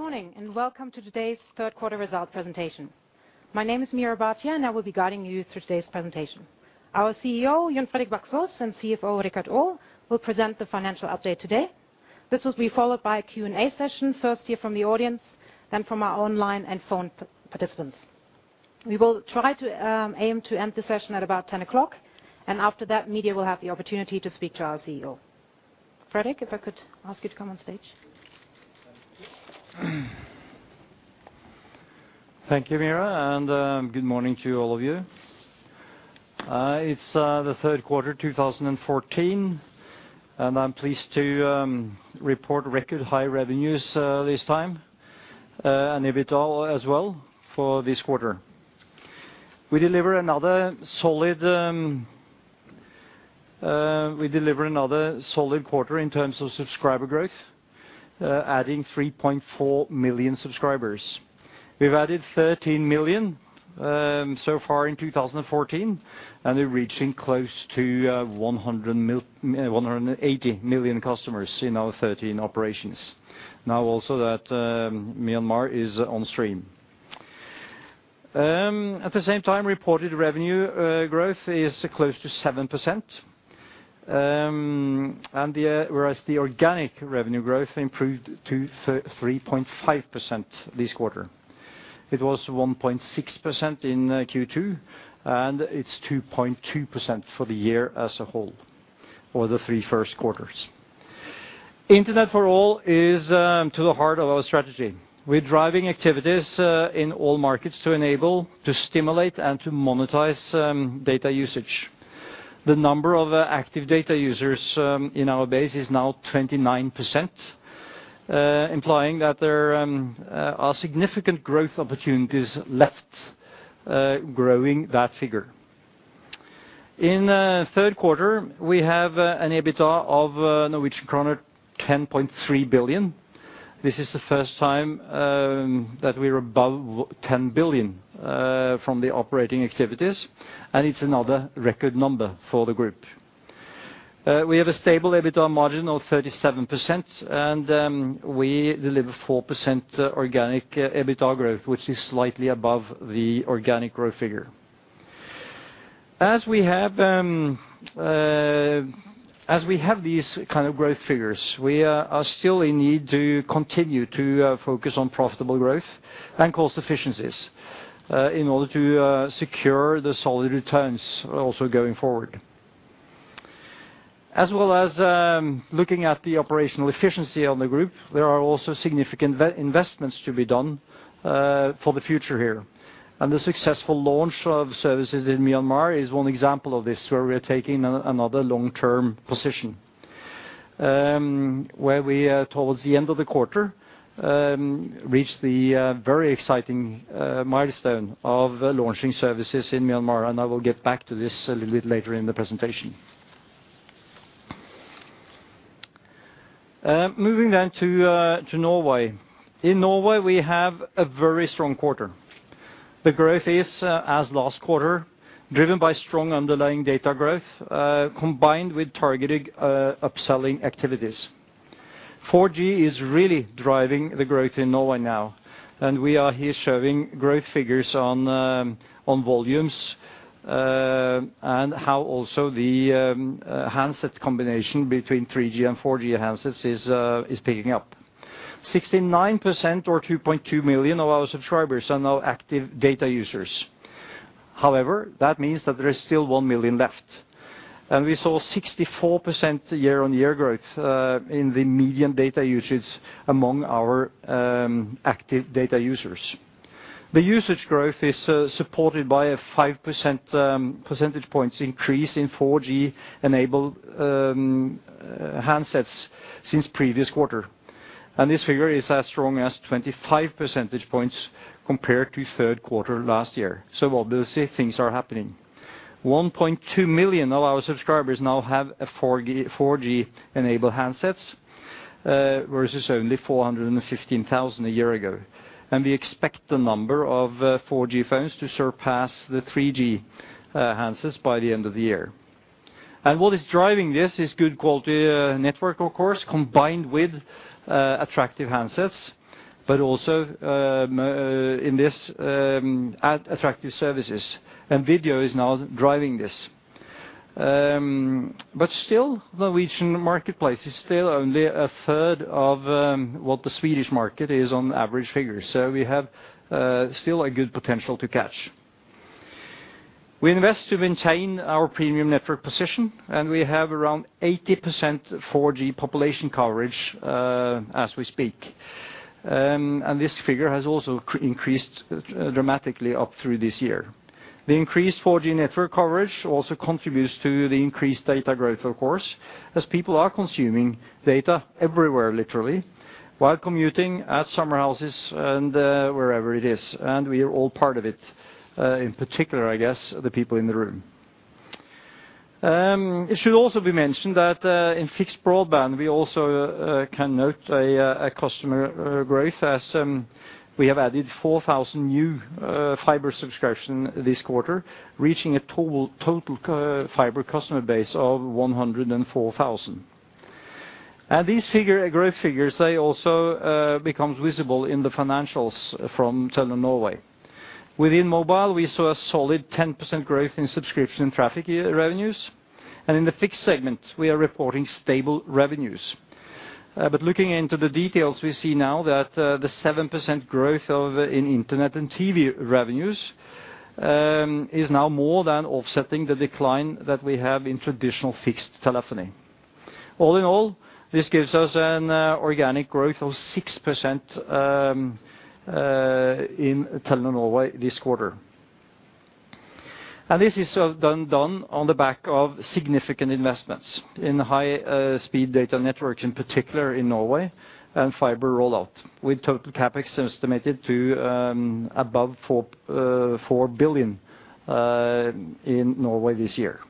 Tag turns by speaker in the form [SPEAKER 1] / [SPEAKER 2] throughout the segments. [SPEAKER 1] Good morning, and welcome to today's 3Q result presentation. My name is Meera Bhatia, and I will be guiding you through today's presentation. Our CEO, Jon Fredrik Baksaas, and CFO, Richard Olav, will present the financial update today. This will be followed by a Q&A session, first here from the audience, then from our online and phone participants. We will try to aim to end the session at about ten o'clock, and after that, media will have the opportunity to speak to our CEO. Fredrik, if I could ask you to come on stage?
[SPEAKER 2] Thank you, Meera, and good morning to all of you. It's the 3Q, 2014, and I'm pleased to report record high revenues this time and EBITDA as well for this quarter. We deliver another solid quarter in terms of subscriber growth, adding 3.4 million subscribers. We've added 13 million so far in 2014, and we're reaching close to 180 million customers in our 13 operations, now also that Myanmar is on stream. At the same time, reported revenue growth is close to 7%, and the, whereas the organic revenue growth improved to 3.5% this quarter. It was 1.6% in Q2, and it's 2.2% for the year as a whole, or the three 1Qs. Internet For All is to the heart of our strategy. We're driving activities in all markets to enable, to stimulate, and to monetize data usage. The number of active data users in our base is now 29%, implying that there are significant growth opportunities left, growing that figure. In3Q, we have an EBITDA of Norwegian kroner 10.3 billion. This is the first time that we're above 10 billion from the operating activities, and it's another record number for the group. We have a stable EBITDA margin of 37%, and we deliver 4% organic EBITDA growth, which is slightly above the organic growth figure. As we have, as we have these kind of growth figures, we are still in need to continue to focus on profitable growth and cost efficiencies, in order to secure the solid returns also going forward. As well as looking at the operational efficiency on the group, there are also significant investments to be done, for the future here. And the successful launch of services in Myanmar is one example of this, where we are taking another long-term position. Where we, towards the end of the quarter, reached the very exciting milestone of launching services in Myanmar, and I will get back to this a little bit later in the presentation. Moving then to Norway. In Norway, we have a very strong quarter. The growth is, as last quarter, driven by strong underlying data growth, combined with targeted upselling activities. 4G is really driving the growth in Norway now, and we are here showing growth figures on volumes, and how also the handset combination between 3G and 4G handsets is picking up. 69%, or 2.2 million of our subscribers, are now active data users. However, that means that there is still 1 million left. We saw 64% year-over-year growth in the median data usage among our active data users. The usage growth is supported by a five percentage points increase in 4G-enabled handsets since previous quarter. And this figure is as strong as 25 percentage points compared to 3Q last year, so obviously, things are happening. 1.2 million of our subscribers now have 4G-enabled handsets versus only 415,000 a year ago. And we expect the number of 4G phones to surpass the 3G handsets by the end of the year. And what is driving this is good quality network, of course, combined with attractive handsets, but also in this attractive services, and video is now driving this. But still, Norwegian marketplace is still only a third of what the Swedish market is on average figures, so we have still a good potential to catch. We invest to maintain our premium network position, and we have around 80% 4G population coverage as we speak. And this figure has also increased dramatically up through this year. The increased 4G network coverage also contributes to the increased data growth, of course, as people are consuming data everywhere, literally, while commuting, at summer houses, and wherever it is, and we are all part of it in particular, I guess, the people in the room. It should also be mentioned that in fixed broadband, we also can note a customer growth. We have added 4,000 new fiber subscription this quarter, reaching a total fiber customer base of 104,000. And these growth figures, they also becomes visible in the financials from Telenor Norway. Within mobile, we saw a solid 10% growth in subscription and traffic revenues, and in the fixed segment, we are reporting stable revenues. But looking into the details, we see now that the 7% growth in internet and TV revenues is now more than offsetting the decline that we have in traditional fixed telephony. All in all, this gives us an organic growth of 6% in Telenor Norway this quarter. This is done on the back of significant investments in high speed data networks, in particular in Norway and fiber rollout, with total CapEx estimated to above 4 billion in Norway this year.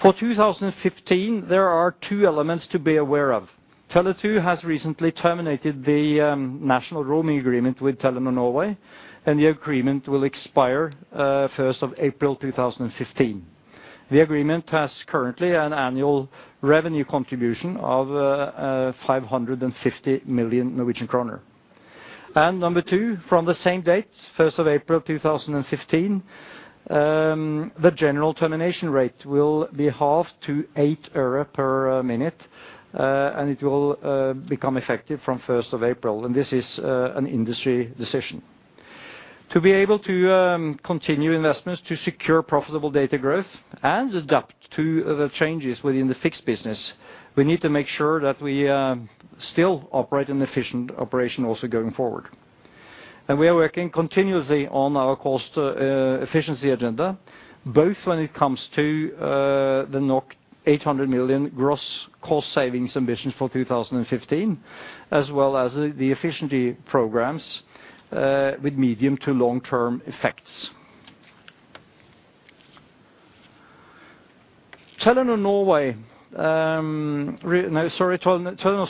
[SPEAKER 2] For 2015, there are two elements to be aware of. Tele2 has recently terminated the national roaming agreement with Telenor Norway, and the agreement will expire first of April, 2015. The agreement has currently an annual revenue contribution of 550 million Norwegian kroner. Number two, from the same date, first of April, 2015, the general termination rate will be halved to 8 euro per minute, and it will become effective from first of April, and this is an industry decision. To be able to continue investments to secure profitable data growth and adapt to the changes within the fixed business, we need to make sure that we still operate an efficient operation also going forward. We are working continuously on our cost efficiency agenda, both when it comes to the 800 million gross cost savings ambitions for 2015, as well as the efficiency programs with medium to long-term effects. Telenor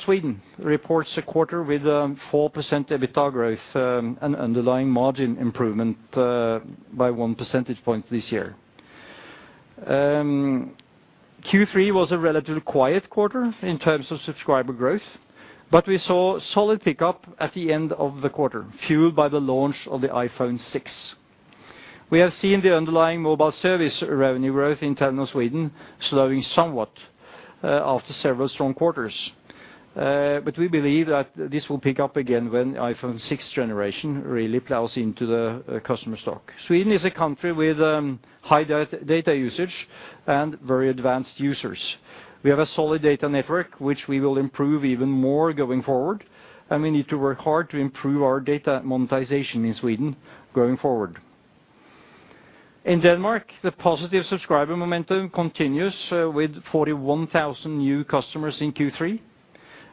[SPEAKER 2] Sweden reports a quarter with 4% EBITDA growth and underlying margin improvement by one percentage point this year. Q3 was a relatively quiet quarter in terms of subscriber growth, but we saw solid pickup at the end of the quarter, fueled by the launch of the iPhone 6. We have seen the underlying mobile service revenue growth in Telenor Sweden slowing somewhat after several strong quarters. But we believe that this will pick up again when iPhone 6 generation really plows into the customer stock. Sweden is a country with high data usage and very advanced users. We have a solid data network, which we will improve even more going forward, and we need to work hard to improve our data monetization in Sweden going forward. In Denmark, the positive subscriber momentum continues with 41,000 new customers in Q3,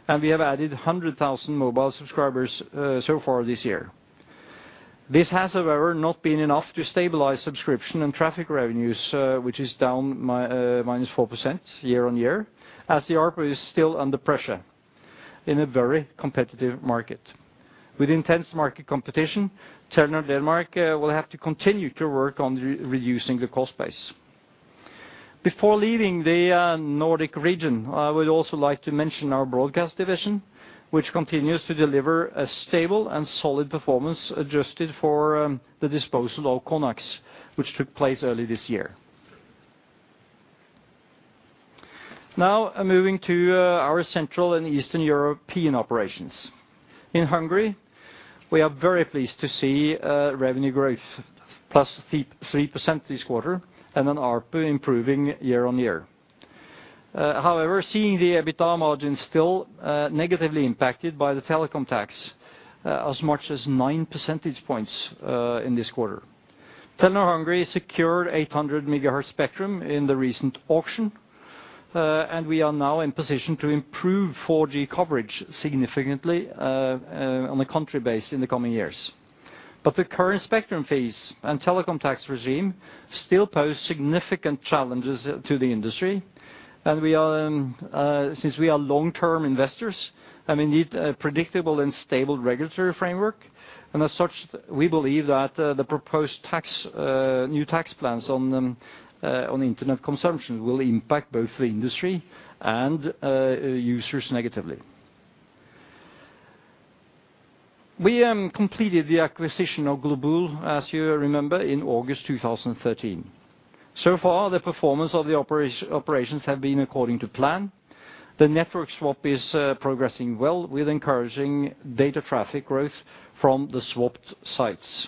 [SPEAKER 2] and we have added 100,000 mobile subscribers so far this year. This has, however, not been enough to stabilize subscription and traffic revenues, which is down minus 4% year-on-year, as the ARPU is still under pressure in a very competitive market. With intense market competition, Telenor Denmark will have to continue to work on re-reducing the cost base. Before leaving the Nordic region, I would also like to mention our broadcast division, which continues to deliver a stable and solid performance, adjusted for the disposal of Conax, which took place early this year. Now, moving to our Central and Eastern European operations. In Hungary, we are very pleased to see revenue growth plus 3% this quarter and an ARPU improving year-on-year. However, seeing the EBITDA margin still negatively impacted by the telecom tax as much as nine percentage points in this quarter. Telenor Hungary secured 800 MHz spectrum in the recent auction, and we are now in position to improve 4G coverage significantly on a country base in the coming years. But the current spectrum fees and telecom tax regime still pose significant challenges to the industry, and since we are long-term investors, and we need a predictable and stable regulatory framework, and as such, we believe that the proposed new tax plans on internet consumption will impact both the industry and users negatively. We completed the acquisition of Globul, as you remember, in August 2013. So far, the performance of the operations have been according to plan. The network swap is progressing well with encouraging data traffic growth from the swapped sites.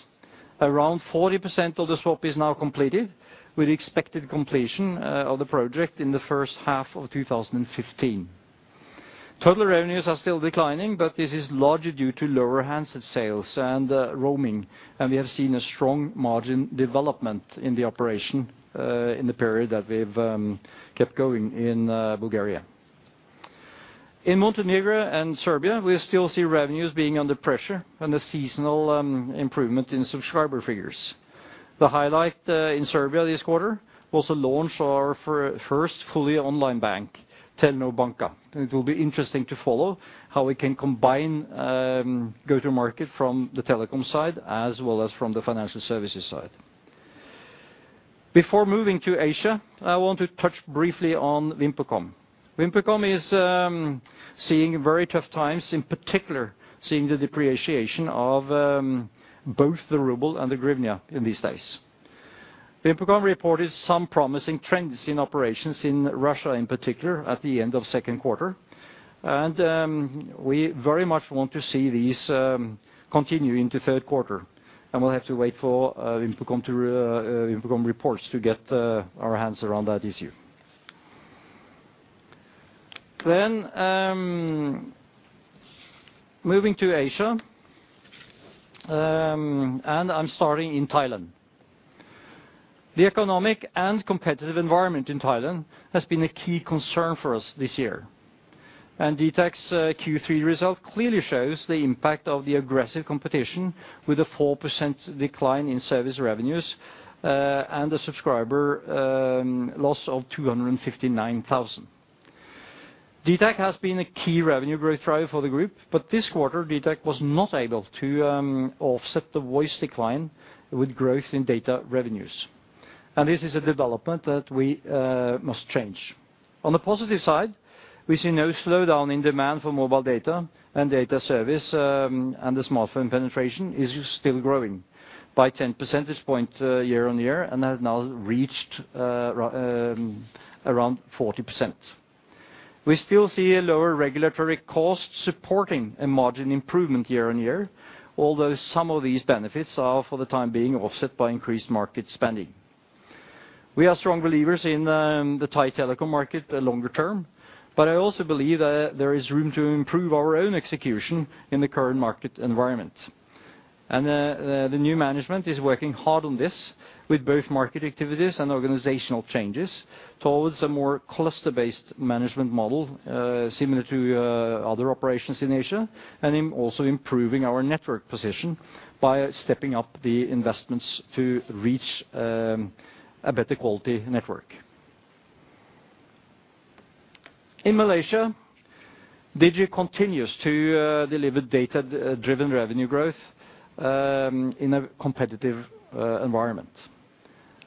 [SPEAKER 2] Around 40% of the swap is now completed, with expected completion of the project in the first half of 2015. Total revenues are still declining, but this is largely due to lower handset sales and roaming, and we have seen a strong margin development in the operation in the period that we've kept going in Bulgaria. In Montenegro and Serbia, we still see revenues being under pressure and a seasonal improvement in subscriber figures. The highlight in Serbia this quarter was the launch of our first fully online bank, Telenor Banka. It will be interesting to follow how we can combine go-to-market from the telecom side as well as from the financial services side. Before moving to Asia, I want to touch briefly on VimpelCom. VimpelCom is seeing very tough times, in particular, seeing the depreciation of both the ruble and the hryvnia in these days. VimpelCom reported some promising trends in operations in Russia, in particular, at the end of second quarter. And we very much want to see these continue into 3Q, and we'll have to wait for VimpelCom reports to get our hands around that issue. Moving to Asia, and I'm starting in Thailand. The economic and competitive environment in Thailand has been a key concern for us this year, and Dtac's Q3 result clearly shows the impact of the aggressive competition with a 4% decline in service revenues and a subscriber loss of 259,000. Dtac has been a key revenue growth driver for the group, but this quarter, Dtac was not able to offset the voice decline with growth in data revenues, and this is a development that we must change. On the positive side, we see no slowdown in demand for mobile data and data service and the smartphone penetration is still growing by 10 percentage point year-over-year and has now reached around 40%. We still see a lower regulatory cost supporting a margin improvement year-over-year, although some of these benefits are, for the time being, offset by increased market spending. We are strong believers in the Thai telecom market longer term, but I also believe that there is room to improve our own execution in the current market environment. And the new management is working hard on this with both market activities and organizational changes towards a more cluster-based management model, similar to other operations in Asia, and in also improving our network position by stepping up the investments to reach a better quality network. In Malaysia, Digi continues to deliver data-driven revenue growth in a competitive environment.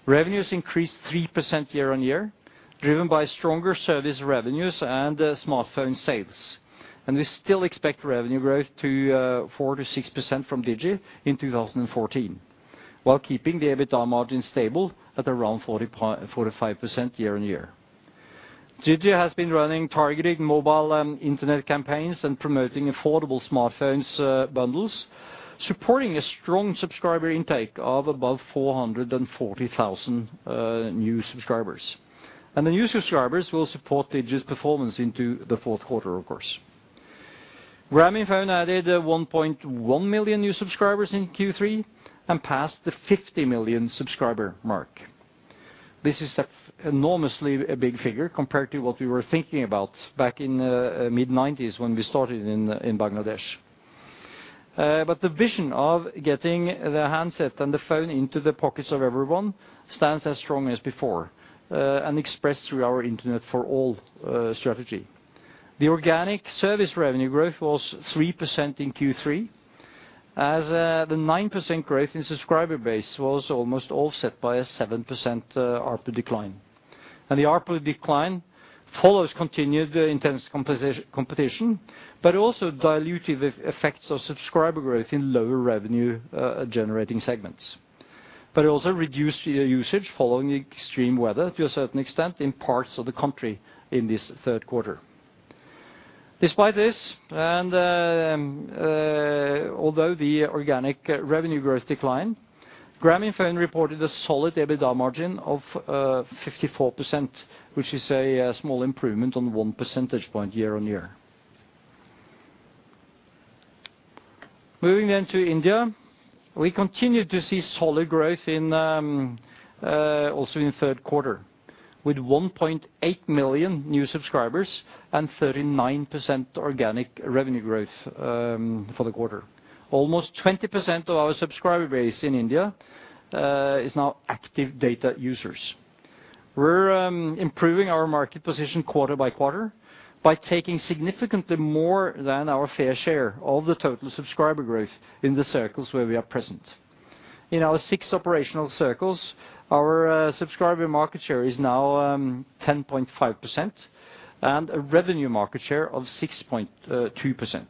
[SPEAKER 2] Revenues increased 3% year-on-year, driven by stronger service revenues and smartphone sales. We still expect revenue growth to 4%-6% from Digi in 2014, while keeping the EBITDA margin stable at around 45% year-on-year. Digi has been running targeted mobile and internet campaigns and promoting affordable smartphones bundles, supporting a strong subscriber intake of above 440,000 new subscribers. The new subscribers will support Digi's performance into the4Q, of course. Grameenphone added 1.1 million new subscribers in Q3 and passed the 50 million subscriber mark. This is an enormously big figure compared to what we were thinking about back in mid-1990s when we started in Bangladesh. But the vision of getting the handset and the phone into the pockets of everyone stands as strong as before, and expressed through our Internet For All strategy. The organic service revenue growth was 3% in Q3, as the 9% growth in subscriber base was almost offset by a 7% ARPU decline. The ARPU decline follows continued intense competition, but also dilutive effects of subscriber growth in lower revenue generating segments. It also reduced the usage following extreme weather to a certain extent in parts of the country in this 3Q. Despite this, although the organic revenue growth declined, Grameenphone reported a solid EBITDA margin of 54%, which is a small improvement on one percentage point year-on-year. Moving then to India, we continued to see solid growth also in 3Q, with 1.8 million new subscribers and 39% organic revenue growth for the quarter. Almost 20% of our subscriber base in India is now active data users. We're improving our market position quarter by quarter by taking significantly more than our fair share of the total subscriber growth in the circles where we are present. In our six operational circles, our subscriber market share is now 10.5%, and a revenue market share of 6.2%.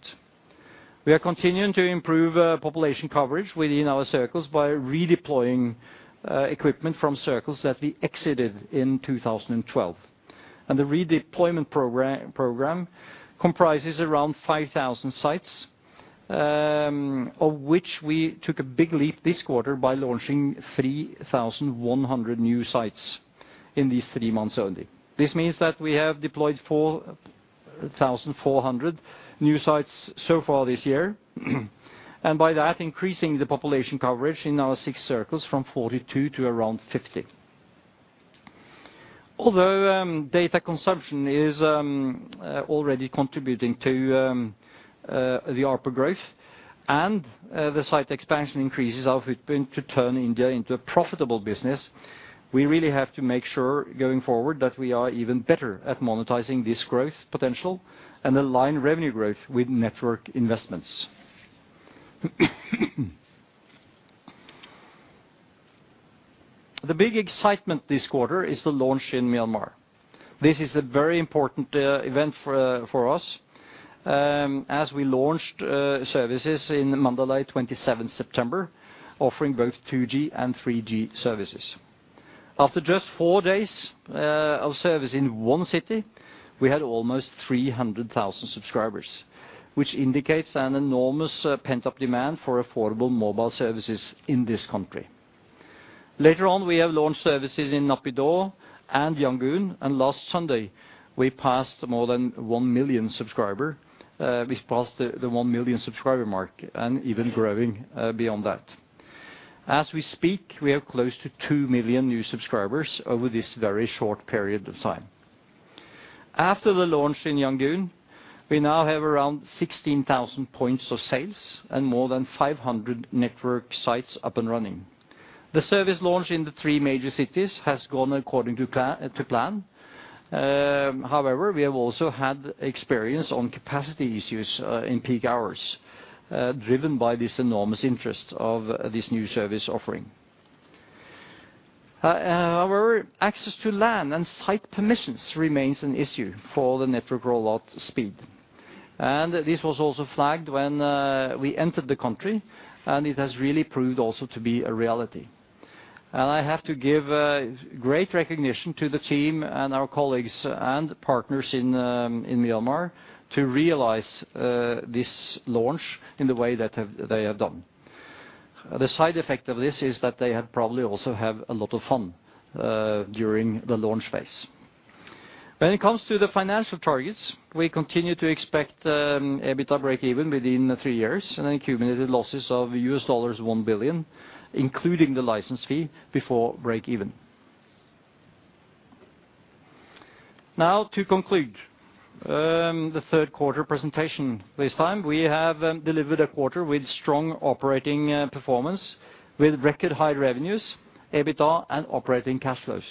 [SPEAKER 2] We are continuing to improve population coverage within our circles by redeploying equipment from circles that we exited in 2012. The redeployment program comprises around 5,000 sites, of which we took a big leap this quarter by launching 3,100 new sites in these three months only. This means that we have deployed 4,400 new sites so far this year, and by that, increasing the population coverage in our six circles from 42 to around 50.... Although, data consumption is already contributing to the ARPU growth and the site expansion increases our footprint to turn India into a profitable business, we really have to make sure, going forward, that we are even better at monetizing this growth potential and align revenue growth with network investments. The big excitement this quarter is the launch in Myanmar. This is a very important event for us as we launched services in Mandalay, 27th September, offering both 2G and 3G services. After just four days of service in one city, we had almost 300,000 subscribers, which indicates an enormous pent-up demand for affordable mobile services in this country. Later on, we have launched services in Naypyidaw and Yangon, and last Sunday, we passed more than one million subscribers. We passed the one million subscriber mark, and even growing beyond that. As we speak, we have close to 2 million new subscribers over this very short period of time. After the launch in Yangon, we now have around 16,000 points of sales and more than 500 network sites up and running. The service launch in the three major cities has gone according to plan. However, we have also had experience on capacity issues in peak hours driven by this enormous interest of this new service offering. However, access to land and site permissions remains an issue for the network rollout speed, and this was also flagged when we entered the country, and it has really proved also to be a reality. And I have to give great recognition to the team and our colleagues and partners in Myanmar, to realize this launch in the way that they have done. The side effect of this is that they have probably also have a lot of fun during the launch phase. When it comes to the financial targets, we continue to expect EBITDA breakeven within the three years, and then accumulated losses of $1 billion, including the license fee, before breakeven. Now, to conclude, the 3Q presentation. This time, we have delivered a quarter with strong operating performance, with record high revenues, EBITDA, and operating cash flows.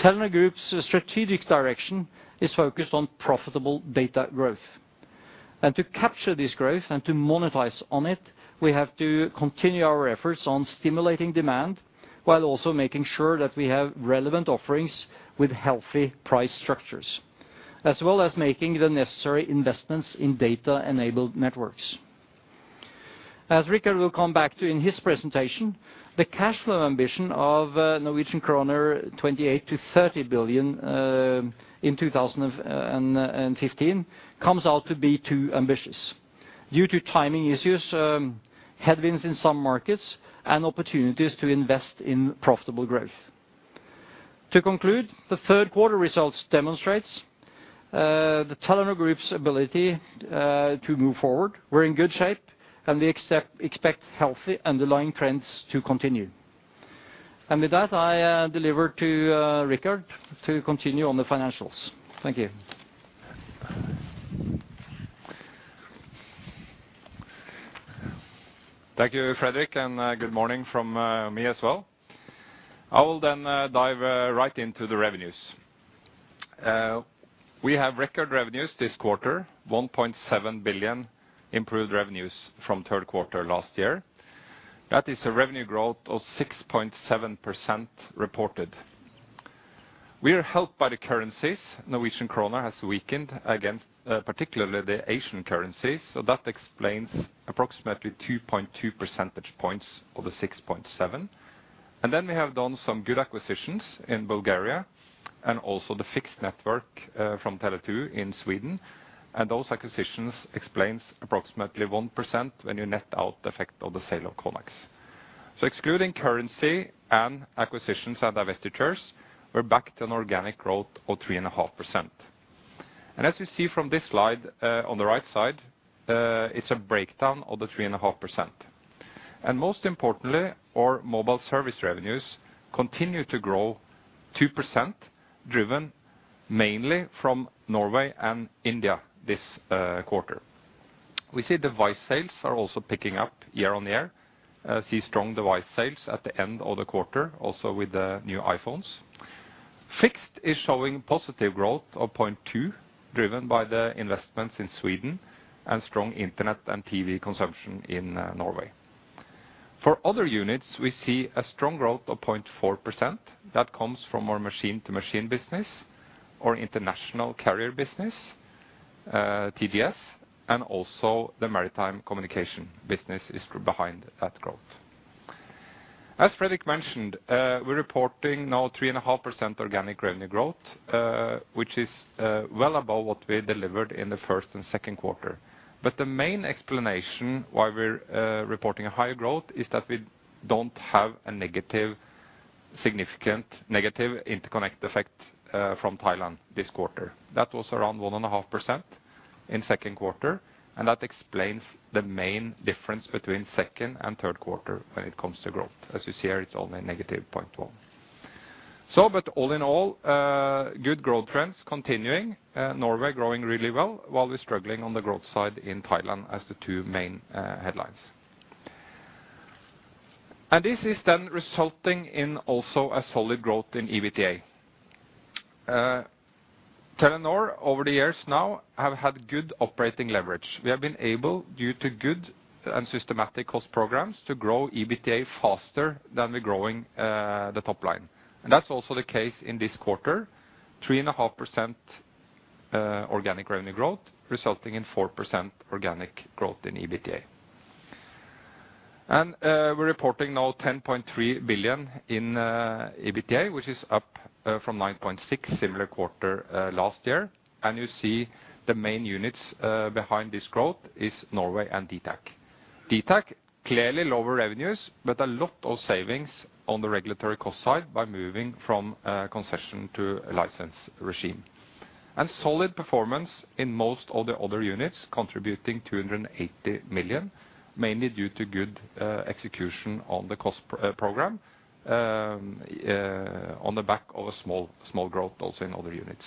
[SPEAKER 2] Telenor Group's strategic direction is focused on profitable data growth. To capture this growth and to monetize on it, we have to continue our efforts on stimulating demand, while also making sure that we have relevant offerings with healthy price structures, as well as making the necessary investments in data-enabled networks. As Richard will come back to in his presentation, the cash flow ambition of Norwegian kroner 28-30 billion in 2015 comes out to be too ambitious due to timing issues, headwinds in some markets, and opportunities to invest in profitable growth. To conclude, the 3Q results demonstrates the Telenor Group's ability to move forward. We're in good shape, and we expect healthy underlying trends to continue. With that, I deliver to Richard to continue on the financials. Thank you.
[SPEAKER 3] Thank you, Fredrik, and good morning from me as well. I will then dive right into the revenues. We have record revenues this quarter, 1.7 billion improved revenues from 3Q last year. That is a revenue growth of 6.7% reported. We are helped by the currencies. Norwegian kroner has weakened against particularly the Asian currencies, so that explains approximately 2.2 percentage points of the 6.7. And then we have done some good acquisitions in Bulgaria, and also the fixed network from Tele2 in Sweden. And those acquisitions explains approximately 1% when you net out the effect of the sale of Conax. So excluding currency and acquisitions and divestitures, we're back to an organic growth of 3.5%. As you see from this slide, on the right side, it's a breakdown of the 3.5%. And most importantly, our mobile service revenues continue to grow 2%, driven mainly from Norway and India, this quarter. We see device sales are also picking up year-on-year, see strong device sales at the end of the quarter, also with the new iPhones. Fixed is showing positive growth of 0.2%, driven by the investments in Sweden and strong internet and TV consumption in Norway. For other units, we see a strong growth of 0.4% that comes from our machine-to-machine business, our international carrier business, TGS, and also the maritime communication business is behind that growth. As Fredrik mentioned, we're reporting now 3.5% organic revenue growth, which is well above what we delivered in the first and second quarter. But the main explanation why we're reporting a higher growth is that we don't have a negative, significant negative interconnect effect from Thailand this quarter. That was around 1.5% in second quarter, and that explains the main difference between second and 3Q when it comes to growth. As you see here, it's only negative 0.1. So but all in all, good growth trends continuing, Norway growing really well, while we're struggling on the growth side in Thailand as the two main headlines. And this is then resulting in also a solid growth in EBITDA. Telenor, over the years now, have had good operating leverage. We have been able, due to good and systematic cost programs, to grow EBITDA faster than we're growing the top line, and that's also the case in this quarter, 3.5% organic revenue growth, resulting in 4% organic growth in EBITDA. We're reporting now 10.3 billion in EBITDA, which is up from 9.6 billion similar quarter last year. You see the main units behind this growth is Norway and Dtac. Dtac, clearly lower revenues, but a lot of savings on the regulatory cost side by moving from a concession to a license regime. Solid performance in most of the other units, contributing 280 million, mainly due to good execution on the cost program, on the back of a small, small growth also in other units.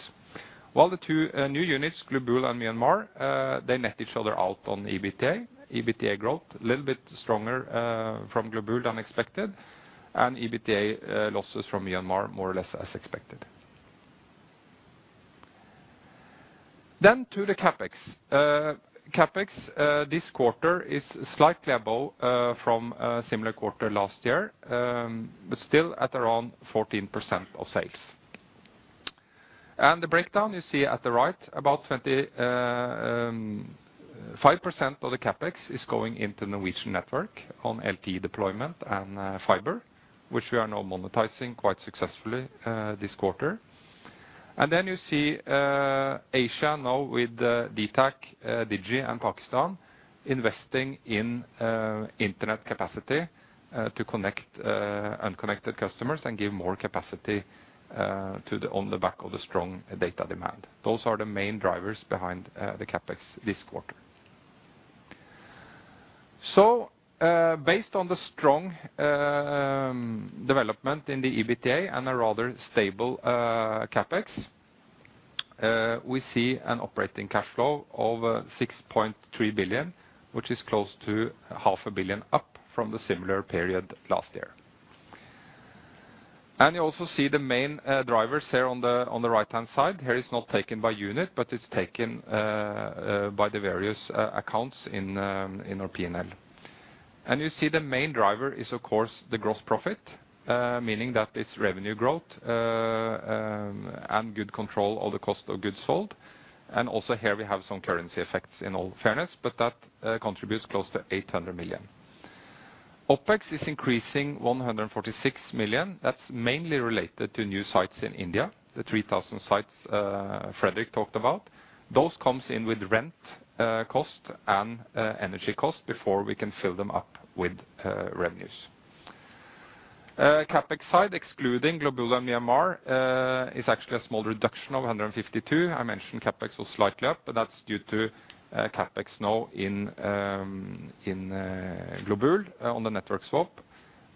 [SPEAKER 3] While the two new units, Globul and Myanmar, they net each other out on EBITDA. EBITDA growth, a little bit stronger from Globul than expected, and EBITDA losses from Myanmar, more or less as expected. Then to the CapEx. CapEx this quarter is slightly above from similar quarter last year, but still at around 14% of sales. And the breakdown you see at the right, about 25% of the CapEx is going into Norwegian network on LTE deployment and fiber, which we are now monetizing quite successfully this quarter. And then you see Asia now with Dtac, Digi, and Pakistan, investing in internet capacity to connect unconnected customers and give more capacity to the on the back of the strong data demand. Those are the main drivers behind the CapEx this quarter. So, based on the strong development in the EBITDA and a rather stable CapEx, we see an operating cash flow of 6.3 billion, which is close to 0.5 billion up from the similar period last year. And you also see the main drivers here on the right-hand side. Here, it's not taken by unit, but it's taken by the various accounts in our P&L. And you see the main driver is, of course, the gross profit, meaning that it's revenue growth and good control of the cost of goods sold. And also here we have some currency effects, in all fairness, but that contributes close to 800 million. OpEx is increasing 146 million. That's mainly related to new sites in India, the 3,000 sites Fredrik talked about. Those comes in with rent cost and energy cost before we can fill them up with revenues. CapEx side, excluding Globul and Myanmar, is actually a small reduction of 152 million. I mentioned CapEx was slightly up, but that's due to CapEx now in Globul on the network swap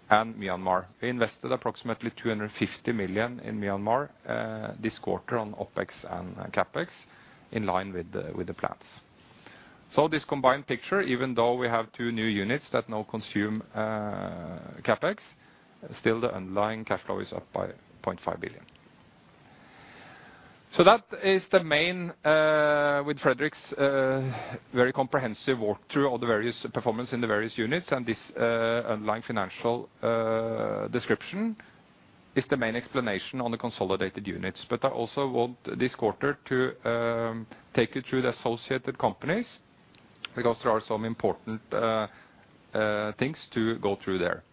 [SPEAKER 3] and Myanmar. We invested approximately 250 million in Myanmar this quarter on OpEx and CapEx, in line with the plans. So this combined picture, even though we have two new units that now consume CapEx, still the underlying cash flow is up by 0.5 billion. So that is the main, with Fredrik's, very comprehensive walk-through of the various performance in the various units, and this, underlying financial, description, is the main explanation on the consolidated units. But I also want this quarter to take you through the associated companies, because there are some important, things to go through there.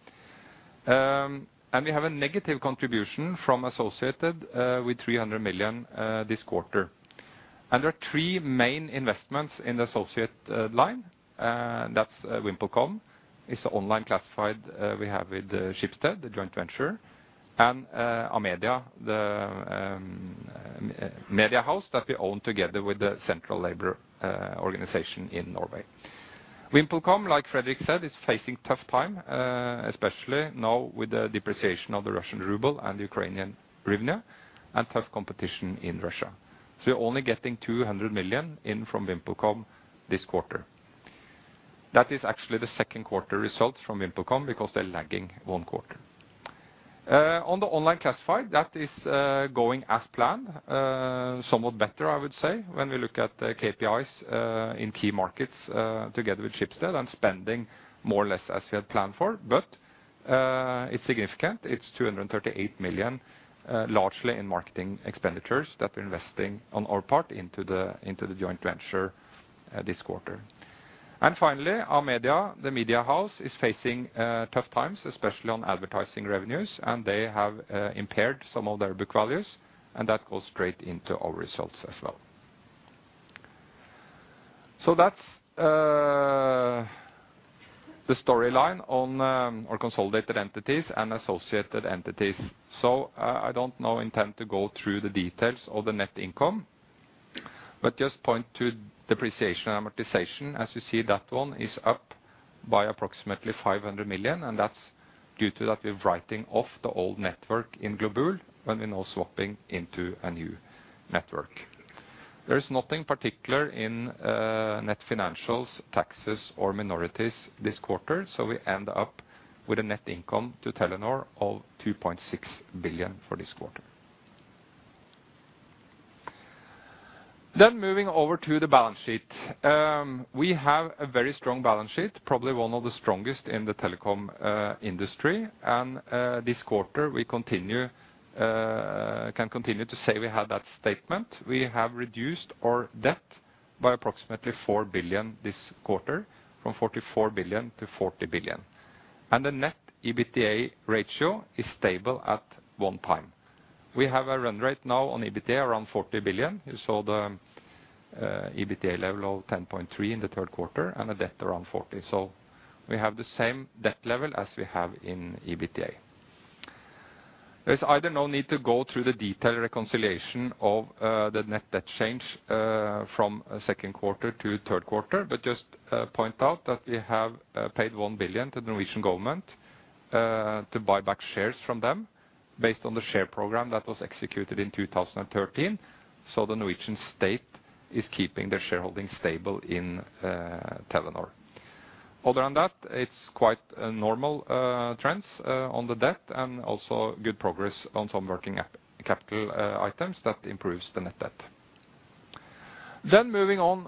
[SPEAKER 3] And we have a negative contribution from associated, with 300 million, this quarter. And there are three main investments in the associate, line, that's VimpelCom, it's the online classified, we have with, Schibsted, the joint venture, and, Amedia, the, media house that we own together with the Central Labor, Organization in Norway. VimpelCom, like Frederick said, is facing tough time, especially now with the depreciation of the Russian ruble and the Ukrainian hryvnia, and tough competition in Russia. So you're only getting 200 million in from VimpelCom this quarter. That is actually the second quarter results from VimpelCom, because they're lagging one quarter. On the online classified, that is, going as planned, somewhat better, I would say, when we look at the KPIs, in key markets, together with Schibsted, and spending more or less as we had planned for. But, it's significant. It's 238 million, largely in marketing expenditures that we're investing on our part into the, into the joint venture, this quarter. And finally, Amedia, the media house, is facing tough times, especially on advertising revenues, and they have impaired some of their book values, and that goes straight into our results as well. So that's the storyline on our consolidated entities and associated entities. So, I don't now intend to go through the details of the net income, but just point to depreciation and amortization. As you see, that one is up by approximately 500 million, and that's due to that we're writing off the old network in Globul, and we're now swapping into a new network. There is nothing particular in net financials, taxes, or minorities this quarter, so we end up with a net income to Telenor of 2.6 billion for this quarter. Then moving over to the balance sheet. We have a very strong balance sheet, probably one of the strongest in the telecom industry. And this quarter, we can continue to say we have that statement. We have reduced our debt by approximately 4 billion this quarter, from 44 billion to 40 billion. And the net EBITDA ratio is stable at 1x. We have a run rate now on EBITDA around 40 billion. You saw the EBITDA level of 10.3 in the 3Q and a debt around 40. So we have the same debt level as we have in EBITDA. There's either no need to go through the detailed reconciliation of the net debt change from second quarter to 3Q, but just point out that we have paid 1 billion to the Norwegian government to buy back shares from them, based on the share program that was executed in 2013. So the Norwegian state is keeping their shareholding stable in Telenor. Other than that, it's quite a normal trends on the debt and also good progress on some working capital items that improves the net debt. Then moving on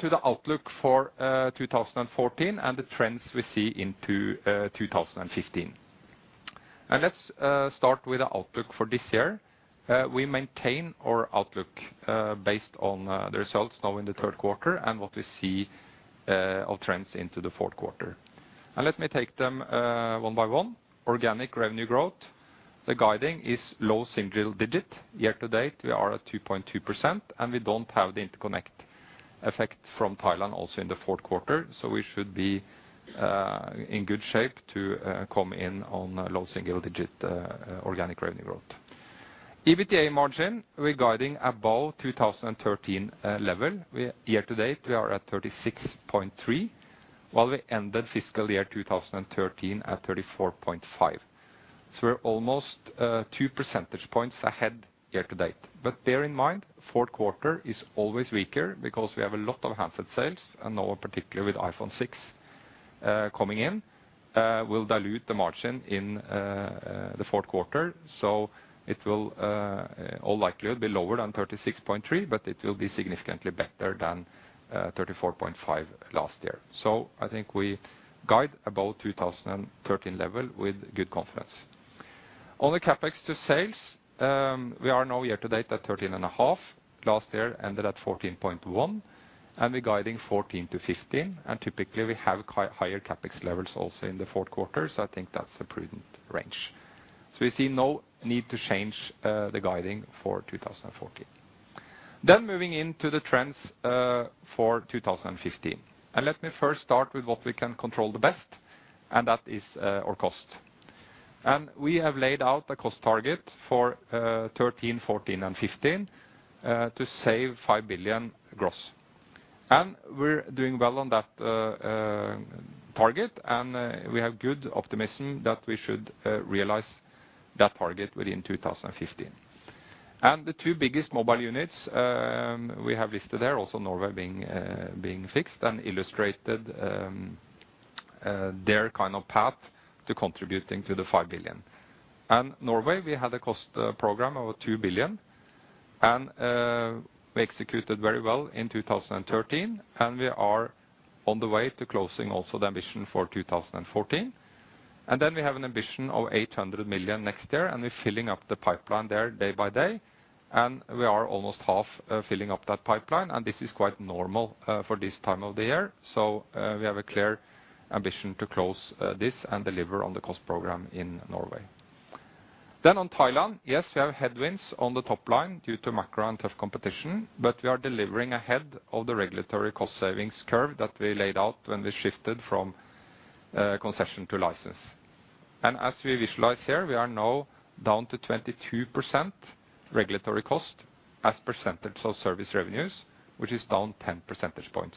[SPEAKER 3] to the outlook for 2014 and the trends we see into 2015. Let's start with the outlook for this year. We maintain our outlook, based on the results now in the 3Q and what we see of trends into the 4Q. Let me take them one by one. Organic revenue growth, the guiding is low single digit. Year to date, we are at 2.2%, and we don't have the interconnect effect from Thailand also in the 4Q, so we should be in good shape to come in on low single digit organic revenue growth. EBITDA margin, we're guiding above 2013 level. Year to date, we are at 36.3, while we ended fiscal year 2013 at 34.5. So we're almost two percentage points ahead year to date. Bear in mind, 4Q is always weaker because we have a lot of handset sales, and now, particularly with iPhone 6 coming in, will dilute the margin in the 4Q. So it will in all likelihood be lower than 36.3, but it will be significantly better than 34.5 last year. So I think we guide above 2013 level with good confidence. On the CapEx to sales, we are now year to date at 13.5. Last year ended at 14.1, and we're guiding 14-15, and typically we have quite higher CapEx levels also in the 4Q, so I think that's a prudent range. So we see no need to change the guidance for 2014. Then moving into the trends for 2015. Let me first start with what we can control the best, and that is our cost. We have laid out a cost target for 2013, 2014, and 2015 to save 5 billion gross. We're doing well on that target, and we have good optimism that we should realize that target within 2015. The two biggest mobile units we have listed there, also Norway being fixed and illustrated their kind of path to contributing to the 5 billion. Norway, we had a cost program of 2 billion, and we executed very well in 2013, and we are on the way to closing also the ambition for 2014. And then we have an ambition of 800 million next year, and we're filling up the pipeline there day by day, and we are almost half filling up that pipeline, and this is quite normal for this time of the year. So we have a clear ambition to close this and deliver on the cost program in Norway. Then on Thailand, yes, we have headwinds on the top line due to macro and tough competition, but we are delivering ahead of the regulatory cost savings curve that we laid out when we shifted from concession to license. And as we visualize here, we are now down to 22% regulatory cost as percentage of service revenues, which is down 10 percentage points.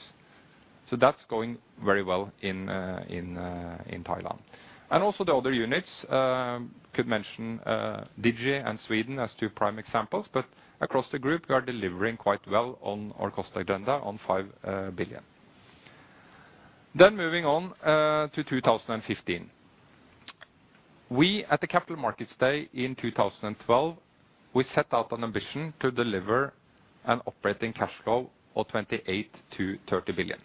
[SPEAKER 3] So that's going very well in Thailand. Also the other units could mention Digi and Sweden as two prime examples, but across the group, we are delivering quite well on our cost agenda on 5 billion. Then moving on to 2015. We, at the Capital Markets Day in 2012, we set out an ambition to deliver an operating cash flow of 28 billion-30 billion.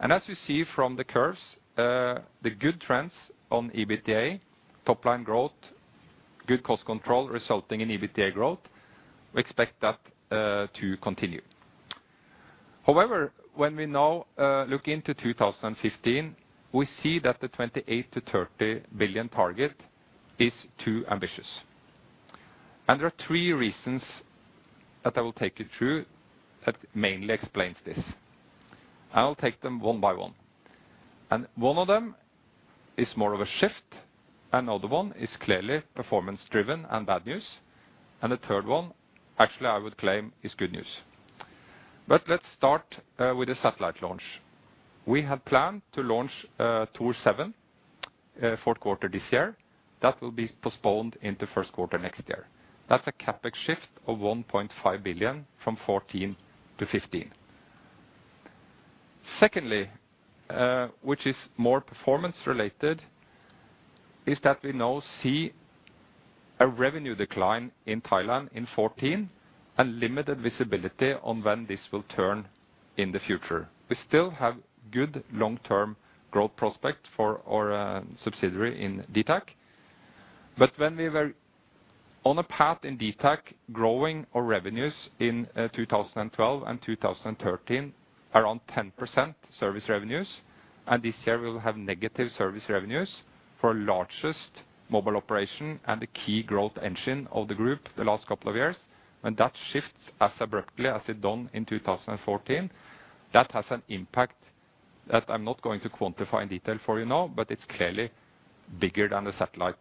[SPEAKER 3] And as you see from the curves, the good trends on EBITDA, top line growth, good cost control resulting in EBITDA growth, we expect that to continue. However, when we now look into 2015, we see that the 28 billion-30 billion target is too ambitious. And there are three reasons that I will take you through that mainly explains this. I will take them one by one, and one of them is more of a shift, another one is clearly performance driven and bad news, and the third one, actually, I would claim, is good news. Let's start with the satellite launch. We had planned to launch Thor 7 4Q this year. That will be postponed into 1Q next year. That's a CapEx shift of 1.5 billion from 2014 to 2015. Secondly, which is more performance related, is that we now see a revenue decline in Thailand in 2014 and limited visibility on when this will turn in the future. We still have good long-term growth prospect for our subsidiary in DTAC. But when we were on a path in DTAC, growing our revenues in 2012 and 2013, around 10% service revenues, and this year we will have negative service revenues for our largest mobile operation and the key growth engine of the group the last couple of years. When that shifts as abruptly as it done in 2014, that has an impact that I'm not going to quantify in detail for you now, but it's clearly bigger than the satellite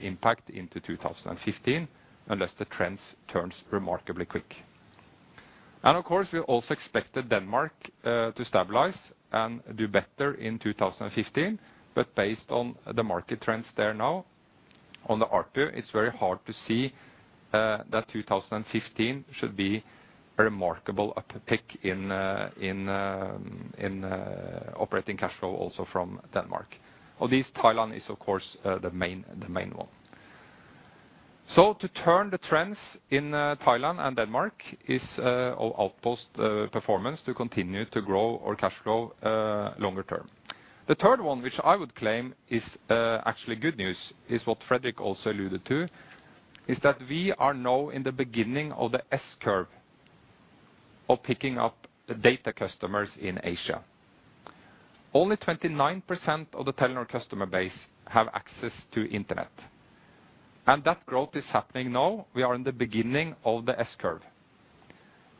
[SPEAKER 3] impact into 2015, unless the trends turns remarkably quick. And of course, we also expected Denmark to stabilize and do better in 2015. But based on the market trends there now, on the ARPU, it's very hard to see that 2015 should be a remarkable up-tick in operating cash flow also from Denmark. Of these, Thailand is, of course, the main, the main one. So to turn the trends in Thailand and Denmark is our outpost performance to continue to grow our cash flow longer term. The third one, which I would claim is actually good news, is what Fredrik also alluded to, is that we are now in the beginning of the S-curve of picking up the data customers in Asia. Only 29% of the Telenor customer base have access to internet, and that growth is happening now. We are in the beginning of the S-curve.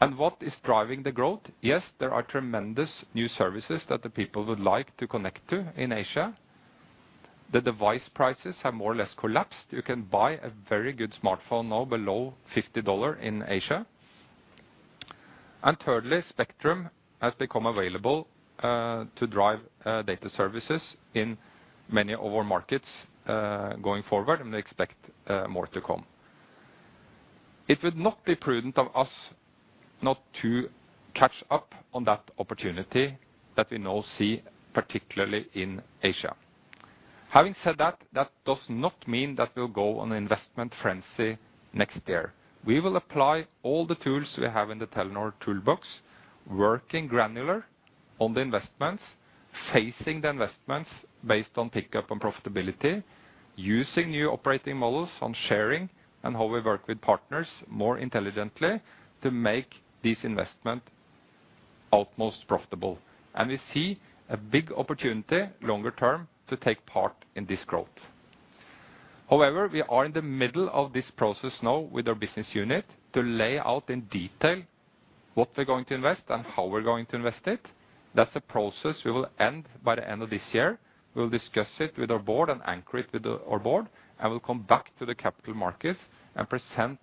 [SPEAKER 3] And what is driving the growth? Yes, there are tremendous new services that the people would like to connect to in Asia. The device prices have more or less collapsed. You can buy a very good smartphone now below $50 in Asia. And thirdly, spectrum has become available to drive data services in many of our markets going forward, and we expect more to come. It would not be prudent of us not to catch up on that opportunity that we now see, particularly in Asia. Having said that, that does not mean that we'll go on an investment frenzy next year. We will apply all the tools we have in the Telenor toolbox, working granular on the investments, phasing the investments based on pickup and profitability, using new operating models on sharing and how we work with partners more intelligently to make this investment utmost profitable. And we see a big opportunity longer term to take part in this growth. However, we are in the middle of this process now with our business unit to lay out in detail what we're going to invest and how we're going to invest it. That's a process we will end by the end of this year. We'll discuss it with our board and anchor it with our board, and we'll come back to the capital markets and present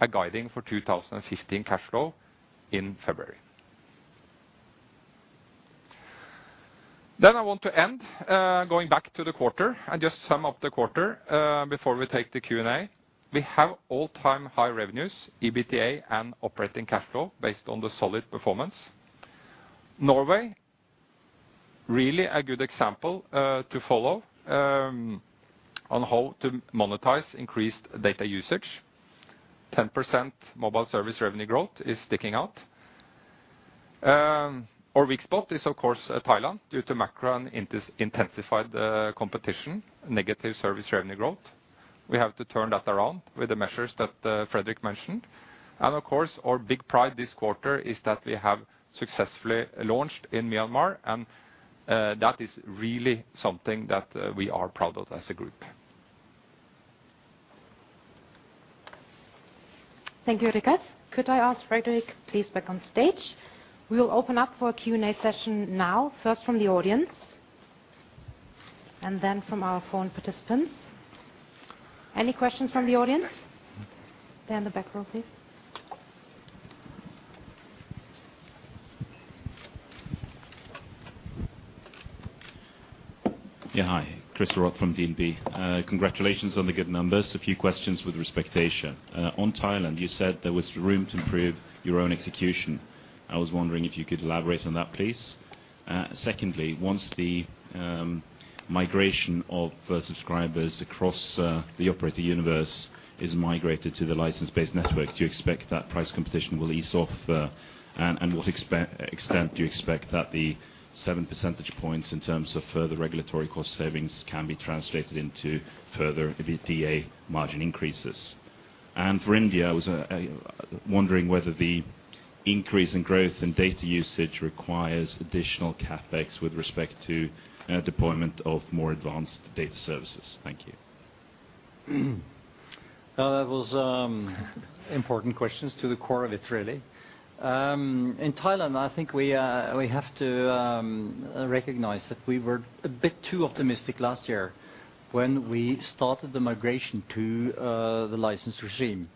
[SPEAKER 3] a guiding for 2015 cash flow in February. Then I want to end, going back to the quarter and just sum up the quarter, before we take the Q&A. We have all-time high revenues, EBITDA, and operating cash flow based on the solid performance. Norway, really a good example, to follow, on how to monetize increased data usage. 10% mobile service revenue growth is sticking out. Our weak spot is, of course, Thailand, due to macro and intensified competition, negative service revenue growth. We have to turn that around with the measures that Fredrik mentioned. And of course, our big pride this quarter is that we have successfully launched in Myanmar, and that is really something that we are proud of as a group.
[SPEAKER 1] Thank you, Richard. Could I ask Fredrik, please, back on stage? We will open up for a Q&A session now, first from the audience, and then from our phone participants. Any questions from the audience? There in the back row, please.
[SPEAKER 4] Yeah, hi, Chris Roth from DNB. Congratulations on the good numbers. A few questions with respect to Asia. On Thailand, you said there was room to improve your own execution. I was wondering if you could elaborate on that, please. Second, once the migration of subscribers across the operator universe is migrated to the license-based network, do you expect that price competition will ease off, and what extent do you expect that the 7 percentage points in terms of further regulatory cost savings can be translated into further EBITDA margin increases? And for India, I was wondering whether the increase in growth and data usage requires additional CapEx with respect to deployment of more advanced data services? Thank you.
[SPEAKER 2] Well, that was important questions to the core of it, really. In Thailand, I think we have to recognize that we were a bit too optimistic last year when we started the migration to the license regime.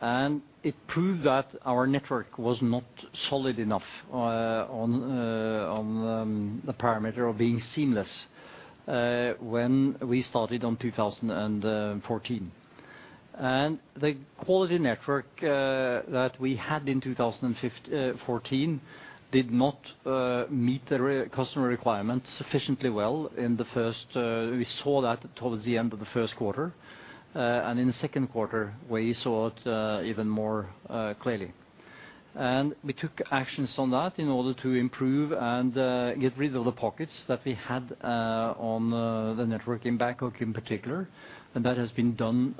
[SPEAKER 2] And it proved that our network was not solid enough on the parameter of being seamless when we started on 2014. And the quality network that we had in 2014 did not meet the customer requirements sufficiently well in the first—we saw that towards the end of the 1Q. And in the second quarter, we saw it even more clearly. And we took actions on that in order to improve and get rid of the pockets that we had on the network in Bangkok in particular. And that has been done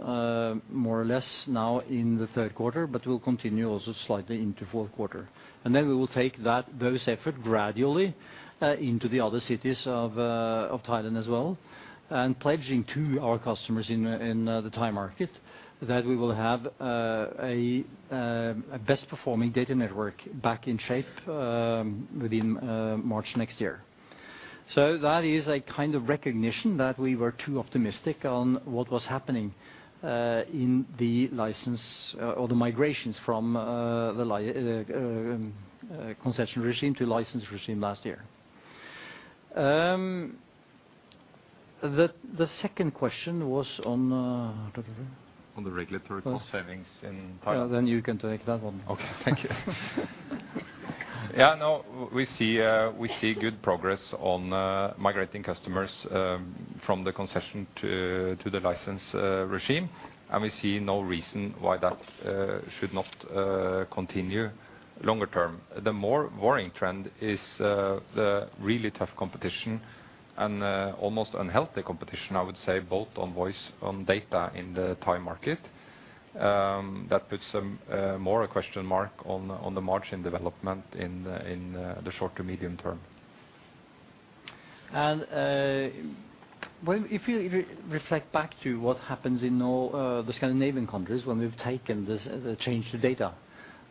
[SPEAKER 2] more or less now in the 3Q, but will continue also slightly into 4Q. And then we will take that, those effort gradually into the other cities of of Thailand as well, and pledging to our customers in in the Thai market, that we will have a a best-performing data network back in shape within March next year. So that is a kind of recognition that we were too optimistic on what was happening in the license or the migrations from the concession regime to license regime last year. The second question was on.
[SPEAKER 3] On the regulatory cost savings in Thailand.
[SPEAKER 2] Yeah, then you can take that one.
[SPEAKER 3] Okay. Thank you. Yeah, no, we see good progress on migrating customers from the concession to the license regime, and we see no reason why that should not continue longer term. The more worrying trend is the really tough competition and almost unhealthy competition, I would say, both on voice and data in the Thai market. That puts more a question mark on the margin development in the short to medium term.
[SPEAKER 2] If you reflect back to what happens in all the Scandinavian countries when we've taken this, the change to data,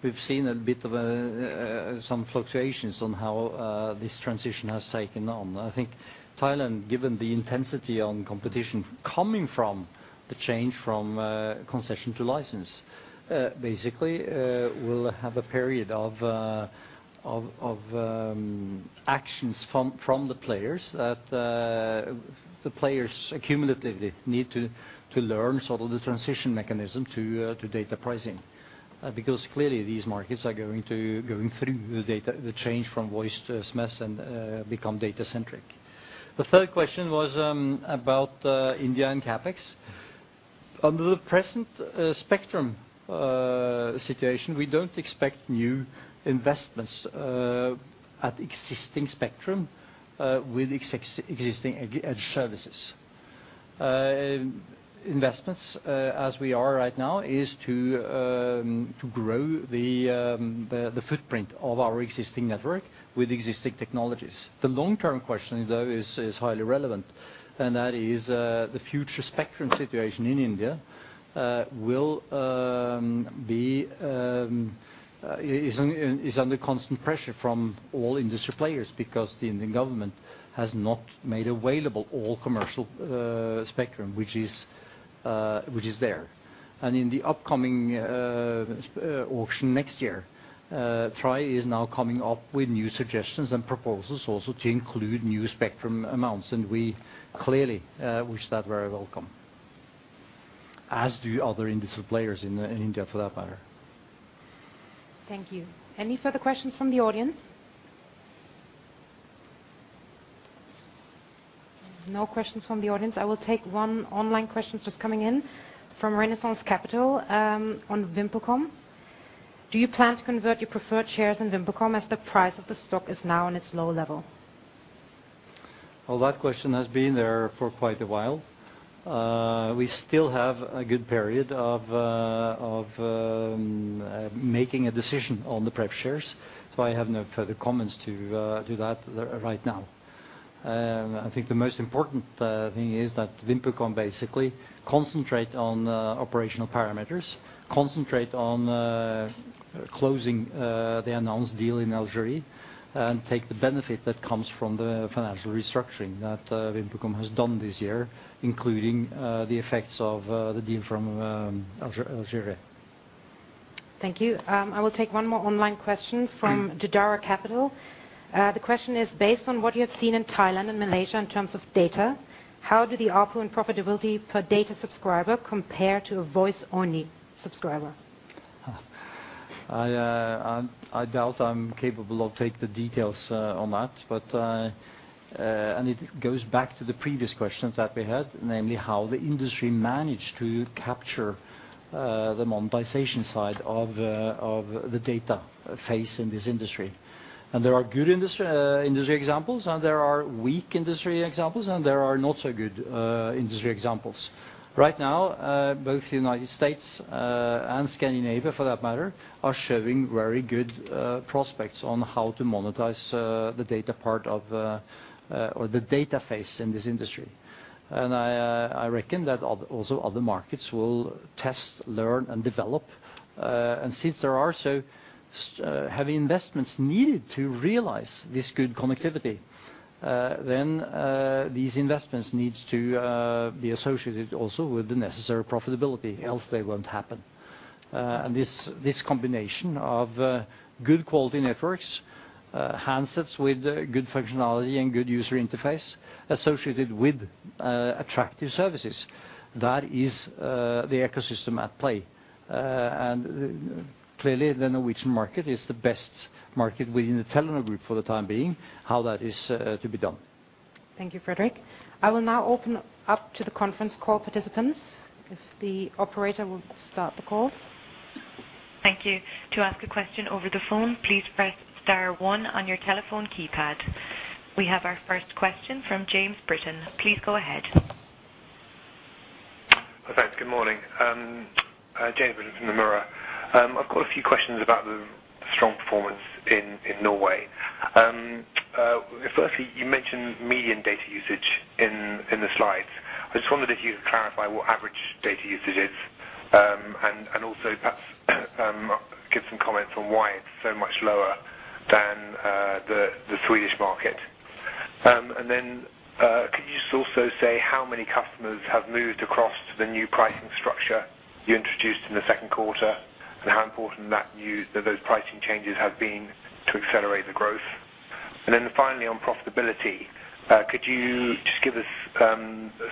[SPEAKER 2] we've seen a bit of some fluctuations on how this transition has taken on. I think Thailand, given the intensity on competition coming from the change from concession to license, basically, will have a period of actions from the players that the players cumulatively need to learn sort of the transition mechanism to data pricing. Because clearly these markets are going to go through the data, the change from voice to SMS and become data-centric. The third question was about India and CapEx. Under the present spectrum situation, we don't expect new investments at existing spectrum with existing services. Investments, as we are right now, is to grow the footprint of our existing network with existing technologies. The long-term question, though, is highly relevant, and that is the future spectrum situation in India is under constant pressure from all industry players because the Indian government has not made available all commercial spectrum, which is there. And in the upcoming auction next year, TRAI is now coming up with new suggestions and proposals also to include new spectrum amounts, and we clearly wish that very welcome, as do other industry players in India, for that matter.
[SPEAKER 1] Thank you. Any further questions from the audience? No questions from the audience. I will take one online question just coming in from Renaissance Capital, on VimpelCom. Do you plan to convert your preferred shares in VimpelCom as the price of the stock is now in its low level?
[SPEAKER 2] Well, that question has been there for quite a while. We still have a good period of making a decision on the pref shares, so I have no further comments to that right now. I think the most important thing is that VimpelCom basically concentrate on operational parameters, concentrate on closing the announced deal in Algeria, and take the benefit that comes from the financial restructuring that VimpelCom has done this year, including the effects of the deal from Algeria.
[SPEAKER 1] Thank you. I will take one more online question-
[SPEAKER 2] Mm-hmm.
[SPEAKER 1] From Jadara Capital. The question is: "Based on what you have seen in Thailand and Malaysia in terms of data, how do the ARPU and profitability per data subscriber compare to a voice-only subscriber?
[SPEAKER 2] I doubt I'm capable of take the details on that, but. And it goes back to the previous questions that we had, namely, how the industry managed to capture the monetization side of of the data phase in this industry. and there are good industry industry examples, and there are weak industry examples, and there are not so good industry examples. Right now both United States and Scandinavia, for that matter, are showing very good prospects on how to monetize the data part of or the data face in this industry. And I I reckon that also other markets will test, learn, and develop. And since there are so heavy investments needed to realize this good connectivity, then these investments needs to be associated also with the necessary profitability, else they won't happen. And this, this combination of good quality networks, handsets with good functionality and good user interface, associated with attractive services, that is the ecosystem at play. And clearly, the Norwegian market is the best market within the Telenor Group for the time being, how that is to be done.
[SPEAKER 1] Thank you, Fredrik. I will now open up to the conference call participants, if the operator will start the calls.
[SPEAKER 5] Thank you. To ask a question over the phone, please press star one on your telephone keypad. We have our first question from James Britton. Please go ahead.
[SPEAKER 6] Hi, thanks. Good morning. James Britton from I've got a few questions about the strong performance in Norway. Firstly, you mentioned median data usage in the slides. I just wondered if you could clarify what average data usage is, and also perhaps give some comments on why it's so much lower than the Swedish market. And then, could you just also say how many customers have moved across to the new pricing structure you introduced in the second quarter, and how important that new - that those pricing changes have been to accelerate the growth? Finally, on profitability, could you just give us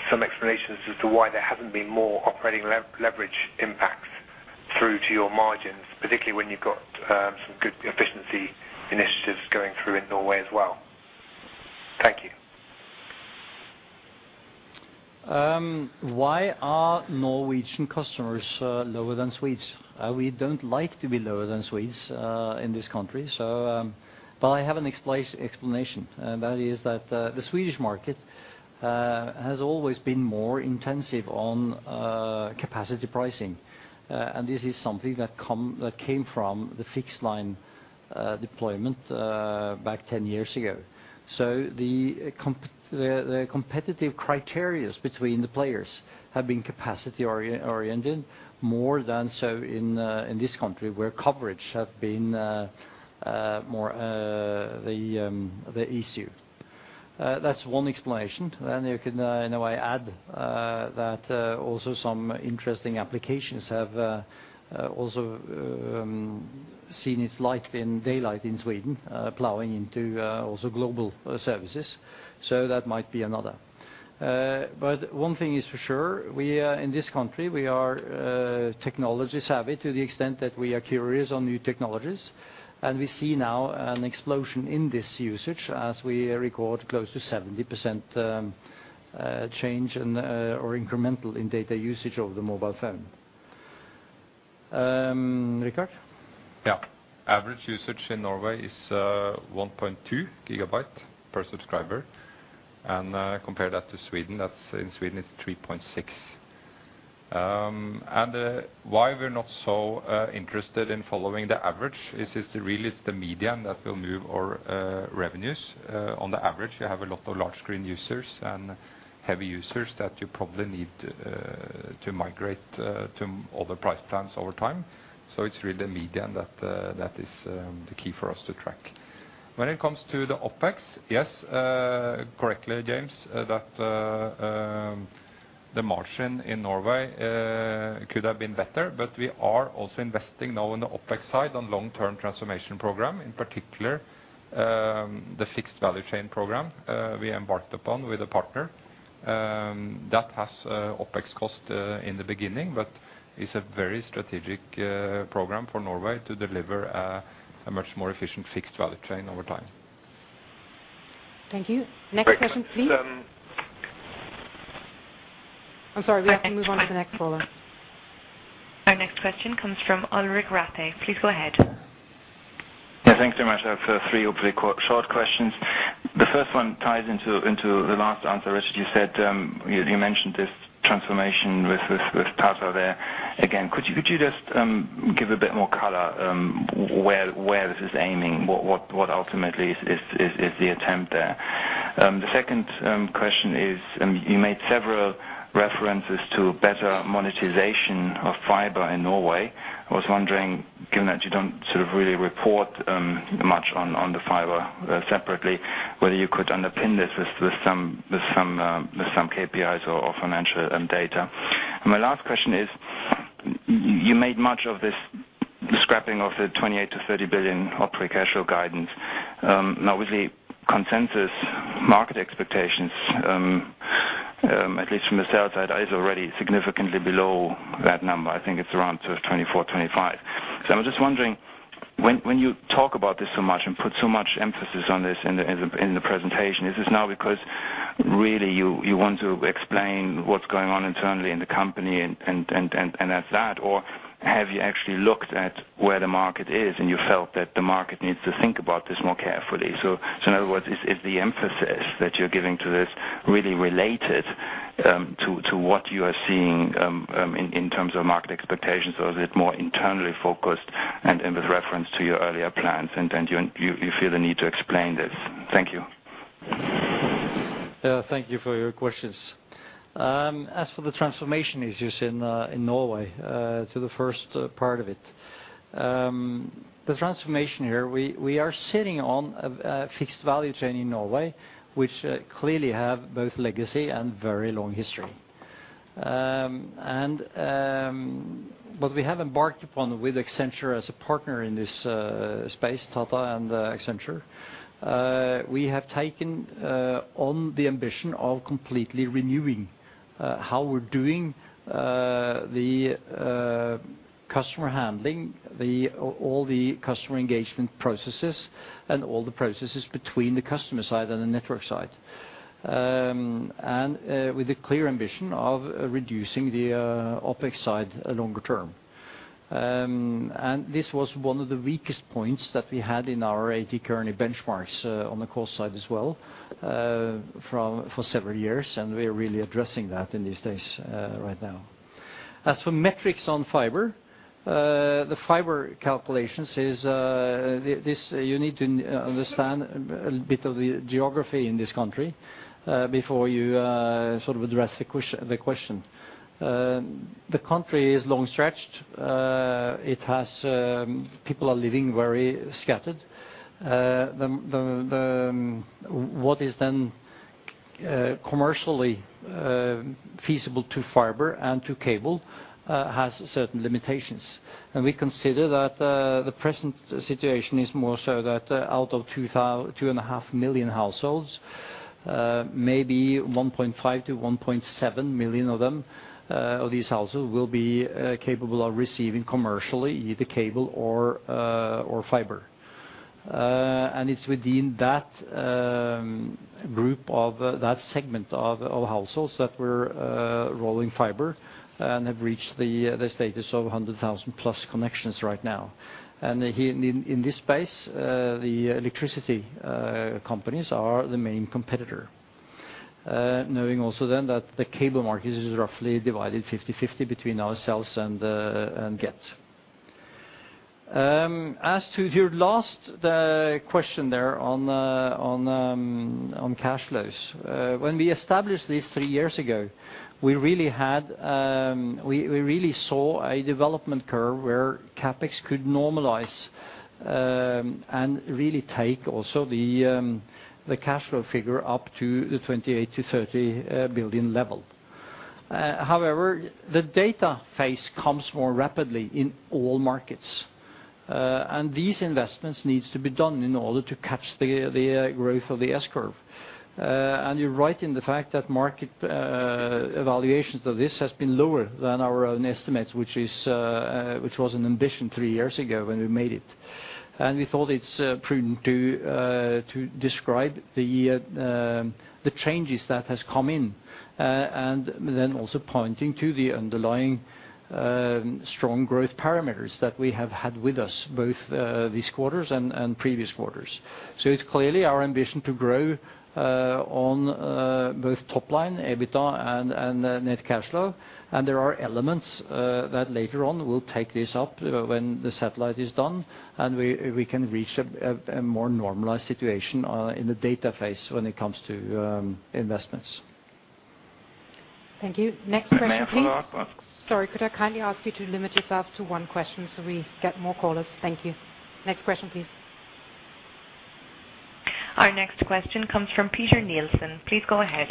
[SPEAKER 6] some explanations as to why there hasn't been more operating leverage impacts through to your margins, particularly when you've got some good efficiency initiatives going through in Norway as well? Thank you.
[SPEAKER 2] Why are Norwegian customers lower than Swedes? We don't like to be lower than Swedes in this country, so but I have an explanation, and that is that the Swedish market has always been more intensive on capacity pricing. And this is something that came from the fixed line deployment back ten years ago. So the competitive criterias between the players have been capacity oriented more than so in this country, where coverage have been more the issue. That's one explanation. And you can in a way add that also some interesting applications have also seen its light in daylight in Sweden, plowing into also global services. So that might be another. But one thing is for sure, we in this country, we are technology savvy to the extent that we are curious on new technologies. And we see now an explosion in this usage as we record close to 70% change in or incremental in data usage over the mobile phone. Richard?
[SPEAKER 3] Yeah. Average usage in Norway is 1.2 GB per subscriber. Compare that to Sweden, that's, in Sweden, it's 3.6 GB. Why we're not so interested in following the average is really it's the median that will move our revenues. On the average, you have a lot of large screen users and heavy users that you probably need to migrate to other price plans over time. So it's really the median that is the key for us to track. When it comes to the OpEx, yes, correctly, James, that the margin in Norway could have been better. But we are also investing now on the OpEx side on long-term transformation program, in particular, the fixed value chain program we embarked upon with a partner. That has OpEx cost in the beginning, but it's a very strategic program for Norway to deliver a much more efficient fixed value chain over time.
[SPEAKER 1] Thank you. Next question, please.
[SPEAKER 3] Um-
[SPEAKER 1] I'm sorry, we have to move on to the next caller.
[SPEAKER 5] Our next question comes from Ulrich Rathe. Please go ahead.
[SPEAKER 7] Yeah, thanks very much. I have three hopefully short questions. The first one ties into the last answer, which you said, you mentioned this transformation with Tata there. Again, could you just give a bit more color where this is aiming? What ultimately is the attempt there? The second question is, you made several references to better monetization of fiber in Norway. I was wondering, given that you don't sort of really report much on the fiber separately, whether you could underpin this with some KPIs or financial data. And my last question is, you made much of this scrapping of the 28 billion-30 billion operating cash flow guidance. Now with the consensus market expectations, at least from the sales side, is already significantly below that number. I think it's around sort of 24-25. So I was just wondering, when you talk about this so much and put so much emphasis on this in the presentation, is this now because... Really, you want to explain what's going on internally in the company and at that? Or have you actually looked at where the market is, and you felt that the market needs to think about this more carefully? So in other words, is the emphasis that you're giving to this really related to what you are seeing in terms of market expectations, or is it more internally focused and with reference to your earlier plans, and then you feel the need to explain this? Thank you.
[SPEAKER 2] Yeah, thank you for your questions. As for the transformation issues in Norway, to the first part of it. The transformation here, we are sitting on a fixed value chain in Norway, which clearly have both legacy and very long history. And what we have embarked upon with Accenture as a partner in this space, Tata and Accenture, we have taken on the ambition of completely renewing how we're doing the customer handling, all the customer engagement processes and all the processes between the customer side and the network side, with the clear ambition of reducing the OpEx side longer term. And this was one of the weakest points that we had in our A.T. Kearney benchmarks, on the cost side as well, for several years, and we are really addressing that in these days, right now. As for metrics on fiber, the fiber calculations is, this, you need to understand a bit of the geography in this country, before you, sort of address the question. The country is long stretched. It has, people are living very scattered. The, what is then, commercially, feasible to fiber and to cable, has certain limitations. We consider that the present situation is more so that out of 2.5 million households, maybe 1.5-1.7 million of them, of these households, will be capable of receiving commercially either cable or fiber. And it's within that group of, that segment of households that we're rolling fiber and have reached the status of 100,000+ connections right now. And here in this space, the electricity companies are the main competitor. Knowing also then that the cable market is roughly divided 50/50 between ourselves and Get. As to your last question there on cash flows. When we established this three years ago, we really had, we, we really saw a development curve where CapEx could normalize, and really take also the, the cash flow figure up to the 28 billion-30 billion level. However, the data phase comes more rapidly in all markets, and these investments needs to be done in order to catch the, the, growth of the S-curve. And you're right in the fact that market, evaluations of this has been lower than our own estimates, which is, which was an ambition three years ago when we made it. We thought it's prudent to describe the changes that has come in, and then also pointing to the underlying strong growth parameters that we have had with us, both this quarters and previous quarters. It's clearly our ambition to grow on both top line, EBITDA and net cash flow. There are elements that later on will take this up when the satellite is done, and we can reach a more normalized situation in the data phase when it comes to investments.
[SPEAKER 1] Thank you. Next question, please.
[SPEAKER 7] May I follow up on...
[SPEAKER 1] Sorry, could I kindly ask you to limit yourself to one question so we get more callers? Thank you. Next question, please.
[SPEAKER 5] Our next question comes from Peter Nielsen. Please go ahead.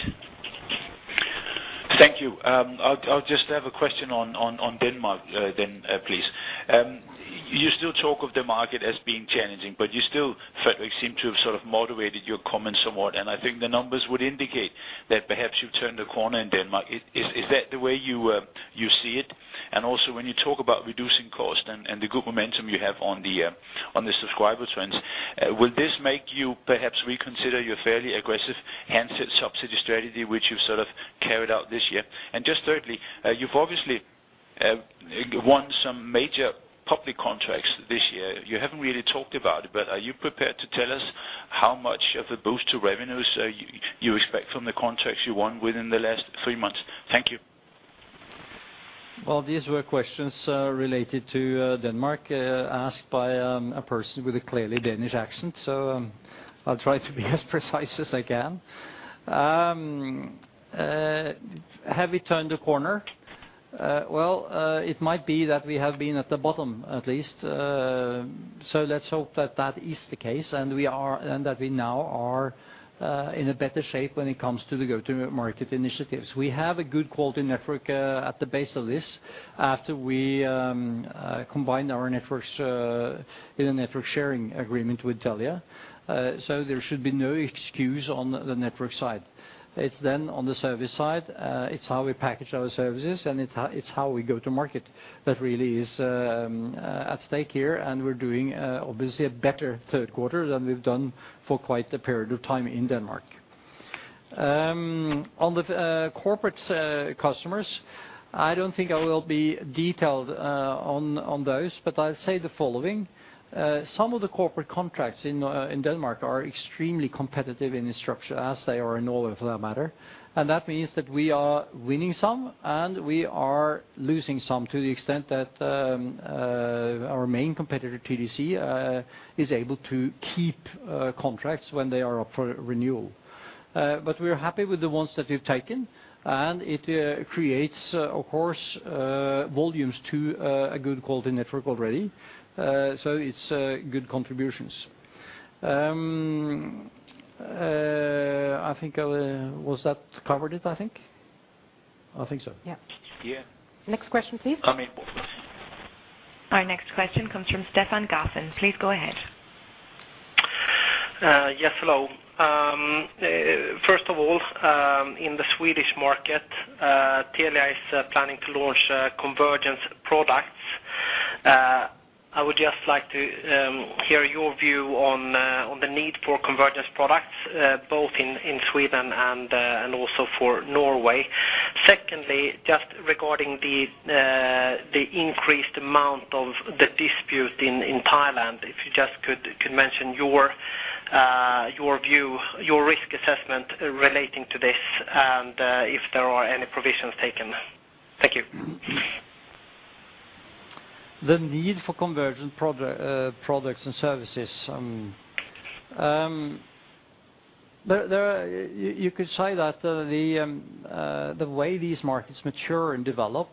[SPEAKER 8] Thank you. I'll just have a question on Denmark, then, please. You still talk of the market as being challenging, but you still, frankly, seem to have sort of moderated your comments somewhat, and I think the numbers would indicate that perhaps you've turned a corner in Denmark. Is that the way you see it? And also, when you talk about reducing cost and the good momentum you have on the subscriber trends, will this make you perhaps reconsider your fairly aggressive handset subsidy strategy, which you've sort of carried out this year? And just thirdly, you've obviously won some major public contracts this year. You haven't really talked about it, but are you prepared to tell us how much of a boost to revenues you expect from the contracts you won within the last three months? Thank you.
[SPEAKER 2] Well, these were questions related to Denmark asked by a person with a clearly Danish accent, so I'll try to be as precise as I can. Have we turned the corner? Well, it might be that we have been at the bottom at least, so let's hope that that is the case, and that we now are in a better shape when it comes to the go-to-market initiatives. We have a good quality network at the base of this, after we combined our networks in a network sharing agreement with Telia. So there should be no excuse on the network side. It's then on the service side, it's how we package our services, and it's how, it's how we go to market that really is at stake here, and we're doing obviously a better 3Q than we've done for quite a period of time in Denmark. On the corporate customers, I don't think I will be detailed on those, but I'll say the following: Some of the corporate contracts in Denmark are extremely competitive in the structure, as they are in Norway, for that matter. And that means that we are winning some, and we are losing some, to the extent that our main competitor, TDC, is able to keep contracts when they are up for renewal. But we are happy with the ones that we've taken, and it creates, of course, volumes to a good quality network already. So it's good contributions. I think was that covered it, I think? I think so.
[SPEAKER 5] Yeah.
[SPEAKER 3] Yeah.
[SPEAKER 5] Next question, please.
[SPEAKER 3] Coming up.
[SPEAKER 5] Our next question comes from Stefan Gauffin. Please go ahead.
[SPEAKER 9] Yes, hello. First of all, in the Swedish market, Telia is planning to launch convergence products. I would just like to hear your view on the need for convergence products, both in Sweden and also for Norway. Secondly, just regarding the increased amount of the dispute in Thailand, if you just could mention your view, your risk assessment relating to this, and if there are any provisions taken. Thank you.
[SPEAKER 2] The need for convergent products and services. There are – you could say that the way these markets mature and develop,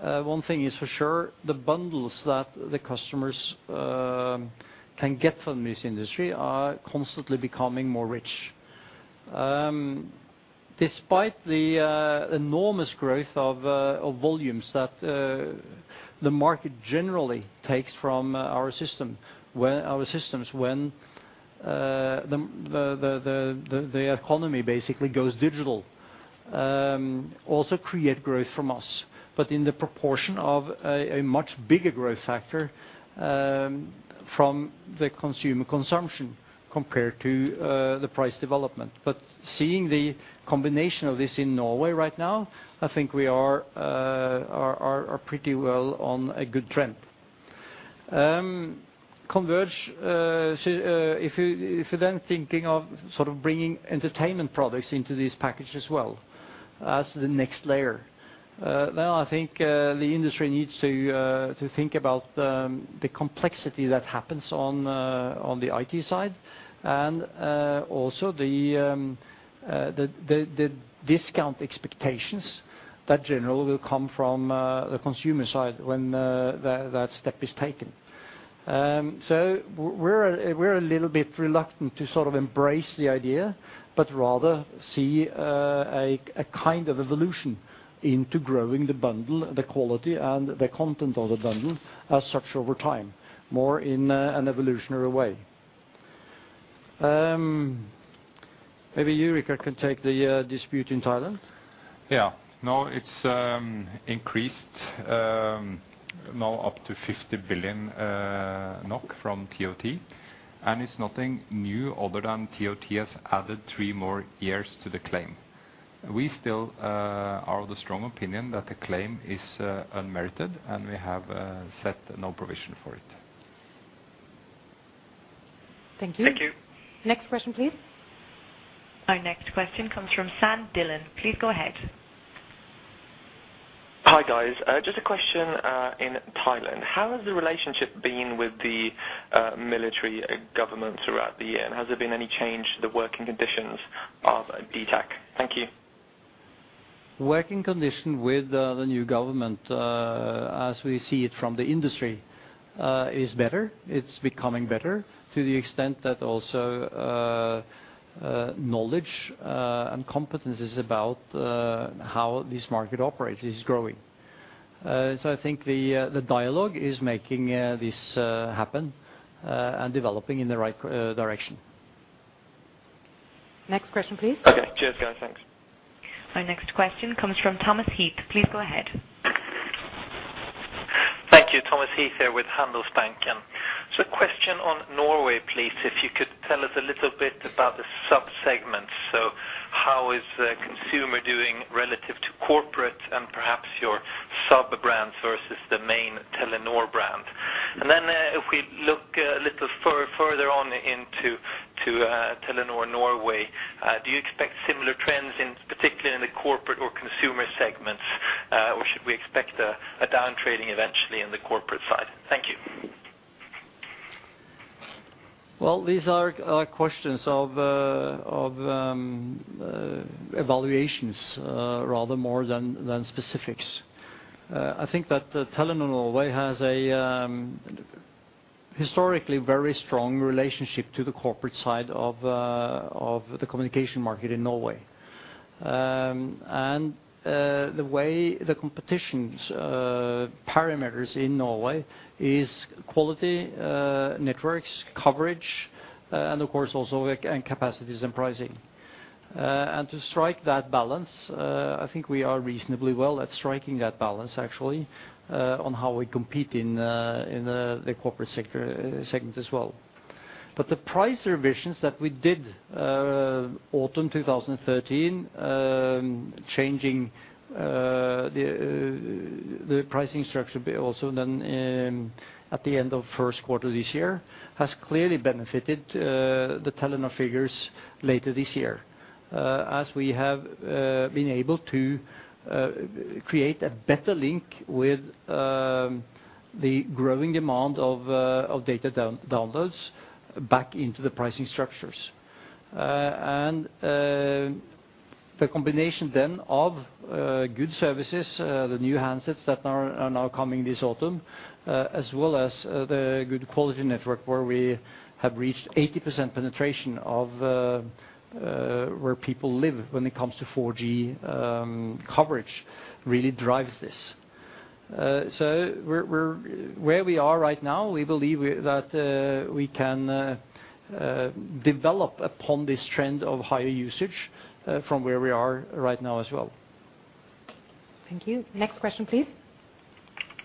[SPEAKER 2] one thing is for sure, the bundles that the customers can get from this industry are constantly becoming more rich. Despite the enormous growth of volumes that the market generally takes from our systems, when the economy basically goes digital, also create growth from us, but in the proportion of a much bigger growth factor from the consumer consumption compared to the price development. But seeing the combination of this in Norway right now, I think we are pretty well on a good trend. Convergence, so if you're then thinking of sort of bringing entertainment products into this package as well as the next layer, then I think the industry needs to think about the complexity that happens on the IT side, and also the discount expectations that generally will come from the consumer side when that step is taken. So we're a little bit reluctant to sort of embrace the idea, but rather see a kind of evolution into growing the bundle, the quality, and the content of the bundle as such over time, more in an evolutionary way. Maybe you, Richard, can take the dispute in Thailand?
[SPEAKER 3] Yeah. No, it's increased now up to 50 billion NOK from TOT, and it's nothing new other than TOT has added three more years to the claim. We still are of the strong opinion that the claim is unmerited, and we have set no provision for it.
[SPEAKER 9] Thank you.
[SPEAKER 5] Thank you. Next question, please. Our next question comes from San Dhillon. Please go ahead.
[SPEAKER 10] Hi, guys. Just a question, in Thailand. How has the relationship been with the military government throughout the year, and has there been any change to the working conditions of DTAC? Thank you.
[SPEAKER 2] Working condition with, the new government, as we see it from the industry, is better. It's becoming better to the extent that also, knowledge, and competencies about, how this market operates is growing. So I think the, the dialogue is making, this, happen, and developing in the right, direction.
[SPEAKER 1] Next question, please.
[SPEAKER 10] Okay. Cheers, guys. Thanks.
[SPEAKER 5] Our next question comes from Thomas Heath. Please go ahead.
[SPEAKER 11] Thank you. Thomas Heath here with Handelsbanken. So a question on Norway, please, if you could tell us a little bit about the sub-segments. So how is the consumer doing relative to corporate and perhaps your sub-brands versus the main Telenor brand? And then, if we look a little further on into, to, Telenor Norway, do you expect similar trends in, particularly in the corporate or consumer segments, or should we expect a, a downtrading eventually in the corporate side? Thank you.
[SPEAKER 2] Well, these are questions of evaluations rather more than specifics. I think that Telenor Norway has a historically very strong relationship to the corporate side of the communication market in Norway. And the way the competition's parameters in Norway is quality, networks, coverage, and of course, also and capacities and pricing. And to strike that balance, I think we are reasonably well at striking that balance, actually, on how we compete in the corporate sector segment as well. But the price revisions that we did autumn 2013, changing the pricing structure, but also then at the end of 1Q this year, has clearly benefited the Telenor figures later this year. As we have been able to create a better link with the growing demand of data downloads back into the pricing structures. And the combination then of good services, the new handsets that are now coming this autumn, as well as the good quality network, where we have reached 80% penetration of where people live when it comes to 4G coverage, really drives this. So we're where we are right now, we believe that we can develop upon this trend of higher usage from where we are right now as well.
[SPEAKER 1] Thank you. Next question, please.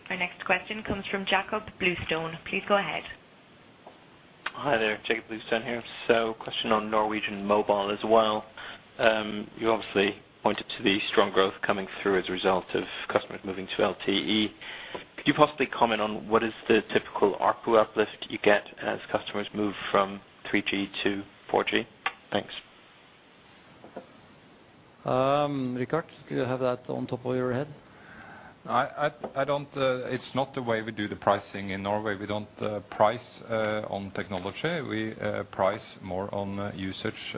[SPEAKER 5] Our next question comes from Jacob Bluestone. Please go ahead.
[SPEAKER 12] Hi there, Jacob Bluestone here. Question on Norwegian mobile as well. You obviously pointed to the strong growth coming through as a result of customers moving to LTE. Could you possibly comment on what is the typical ARPU uplift you get as customers move from 3G to 4G? Thanks.
[SPEAKER 2] Richard, do you have that on top of your head?
[SPEAKER 3] I don't... It's not the way we do the pricing in Norway. We don't price on technology. We price more on usage,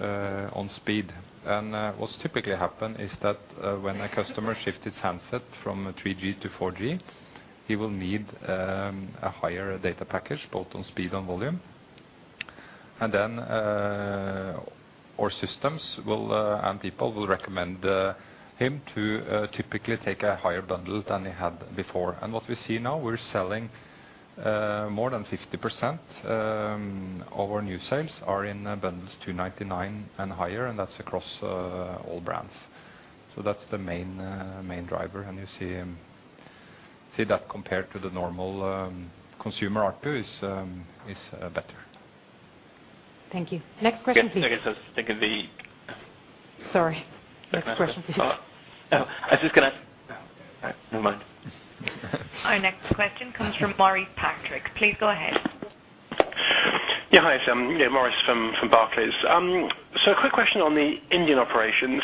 [SPEAKER 3] on speed. And what's typically happen is that when a customer shifts his handset from 3G to 4G, he will need a higher data package, both on speed and volume. And then our systems will and people will recommend him to typically take a higher bundle than he had before. And what we see now, we're selling more than 50% of our new sales are in bundles 299 and higher, and that's across all brands. So that's the main main driver. And you see see that compared to the normal consumer ARPU is better.
[SPEAKER 1] Thank you. Next question, please.
[SPEAKER 12] Yes, I guess I was thinking the-
[SPEAKER 1] Sorry. Next question, please.
[SPEAKER 12] Oh, I was just gonna... Oh, never mind.
[SPEAKER 5] Our next question comes from Maurice Patrick. Please go ahead.
[SPEAKER 13] Yeah, hi, it's yeah, Maurice from Barclays. So a quick question on the Indian operations.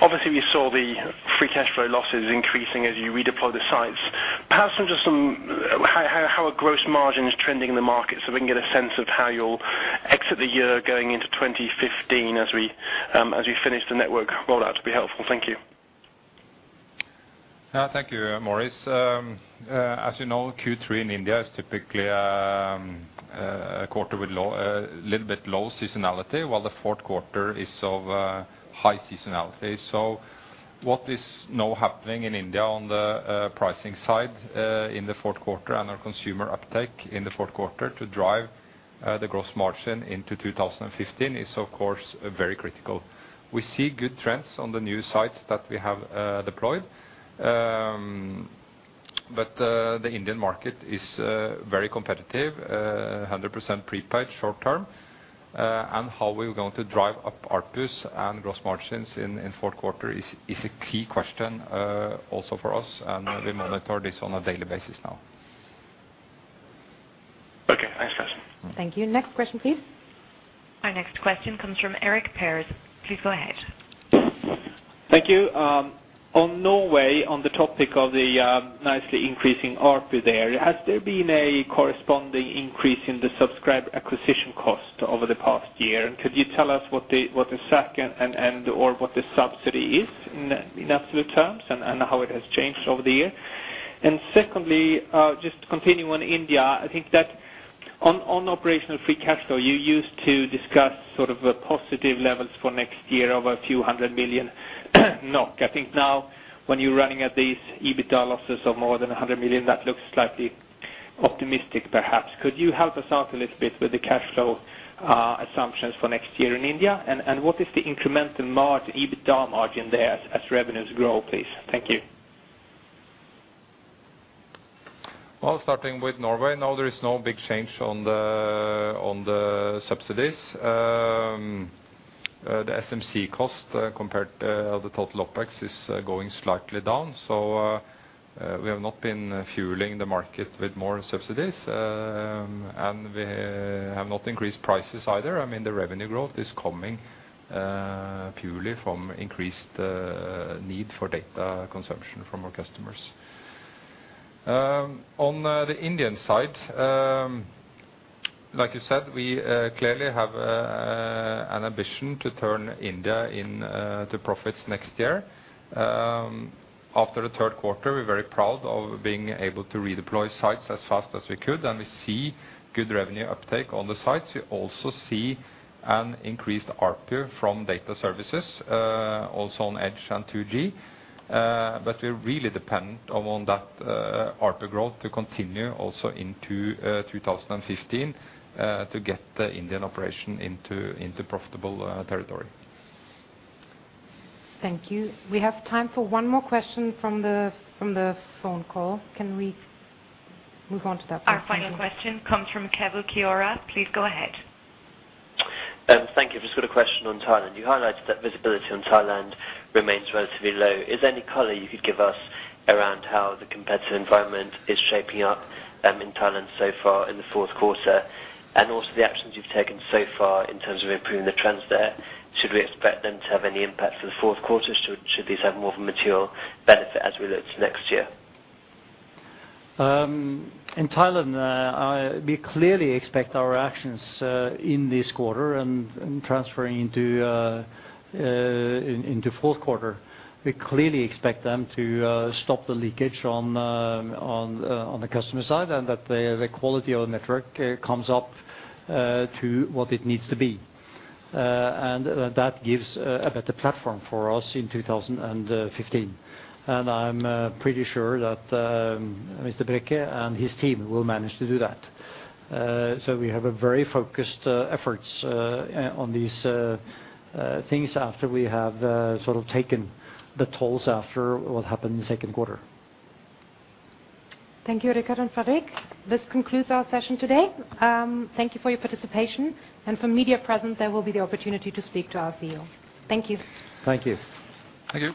[SPEAKER 13] Obviously, we saw the free cash flow losses increasing as you redeployed the sites. Perhaps just some how are gross margins trending in the market, so we can get a sense of how you'll exit the year going into 2015 as we finish the network rollout, would be helpful. Thank you.
[SPEAKER 3] Thank you, Maurice. As you know, Q3 in India is typically a quarter with low, little bit low seasonality, while the4Q is of high seasonality. So what is now happening in India on the pricing side in the4Q and our consumer uptake in the4Q to drive the gross margin into 2015 is, of course, very critical. We see good trends on the new sites that we have deployed. But the Indian market is very competitive, 100% prepaid short term. And how we're going to drive up ARPUs and gross margins in4Q is a key question also for us, and we monitor this on a daily basis now.
[SPEAKER 13] Okay, thanks, guys.
[SPEAKER 1] Thank you. Next question, please.
[SPEAKER 5] Our next question comes from Eric Perez. Please go ahead.
[SPEAKER 14] Thank you. On Norway, on the topic of the nicely increasing ARPU there, has there been a corresponding increase in the subscriber acquisition cost over the past year? And could you tell us what the SAC and or what the subsidy is in absolute terms, and how it has changed over the year? And secondly, just continuing on India, I think that on operational free cash flow, you used to discuss sort of positive levels for next year, over a few 100 million. I think now, when you're running at these EBITDA losses of more than 100 million, that looks slightly optimistic, perhaps. Could you help us out a little bit with the cash flow assumptions for next year in India? And what is the incremental margin, EBITDA margin there as revenues grow, please? Thank you.
[SPEAKER 3] Well, starting with Norway, no, there is no big change on the subsidies. The SMC cost compared the total OpEx is going slightly down. So, we have not been fueling the market with more subsidies, and we have not increased prices either. I mean, the revenue growth is coming purely from increased need for data consumption from our customers. On the Indian side, like you said, we clearly have an ambition to turn India into profits next year. After the 3Q, we're very proud of being able to redeploy sites as fast as we could, and we see good revenue uptake on the sites. We also see an increased ARPU from data services, also on EDGE and 2G. But we're really dependent upon that ARPU growth to continue also into 2015 to get the Indian operation into profitable territory.
[SPEAKER 1] Thank you. We have time for one more question from the phone call. Can we move on to that, please?
[SPEAKER 5] Our final question comes from Keval Khiroya. Please go ahead.
[SPEAKER 15] Thank you. Just got a question on Thailand. You highlighted that visibility on Thailand remains relatively low. Is there any color you could give us around how the competitive environment is shaping up, in Thailand so far in the4Q? And also, the actions you've taken so far in terms of improving the trends there, should we expect them to have any impact for the4Q, so should these have more of a material benefit as we look to next year?
[SPEAKER 2] In Thailand, we clearly expect our actions in this quarter and, and transferring into4Q. We clearly expect them to stop the leakage on the customer side, and that the quality of the network comes up to what it needs to be. And that gives a better platform for us in 2015. And I'm pretty sure that Mr. Brekke and his team will manage to do that. So we have a very focused efforts on these things after we have sort of taken the tolls after what happened in the second quarter.
[SPEAKER 1] Thank you, Richard and Fredrik. This concludes our session today. Thank you for your participation. For media present, there will be the opportunity to speak to our CEO. Thank you.
[SPEAKER 3] Thank you.
[SPEAKER 12] Thank you.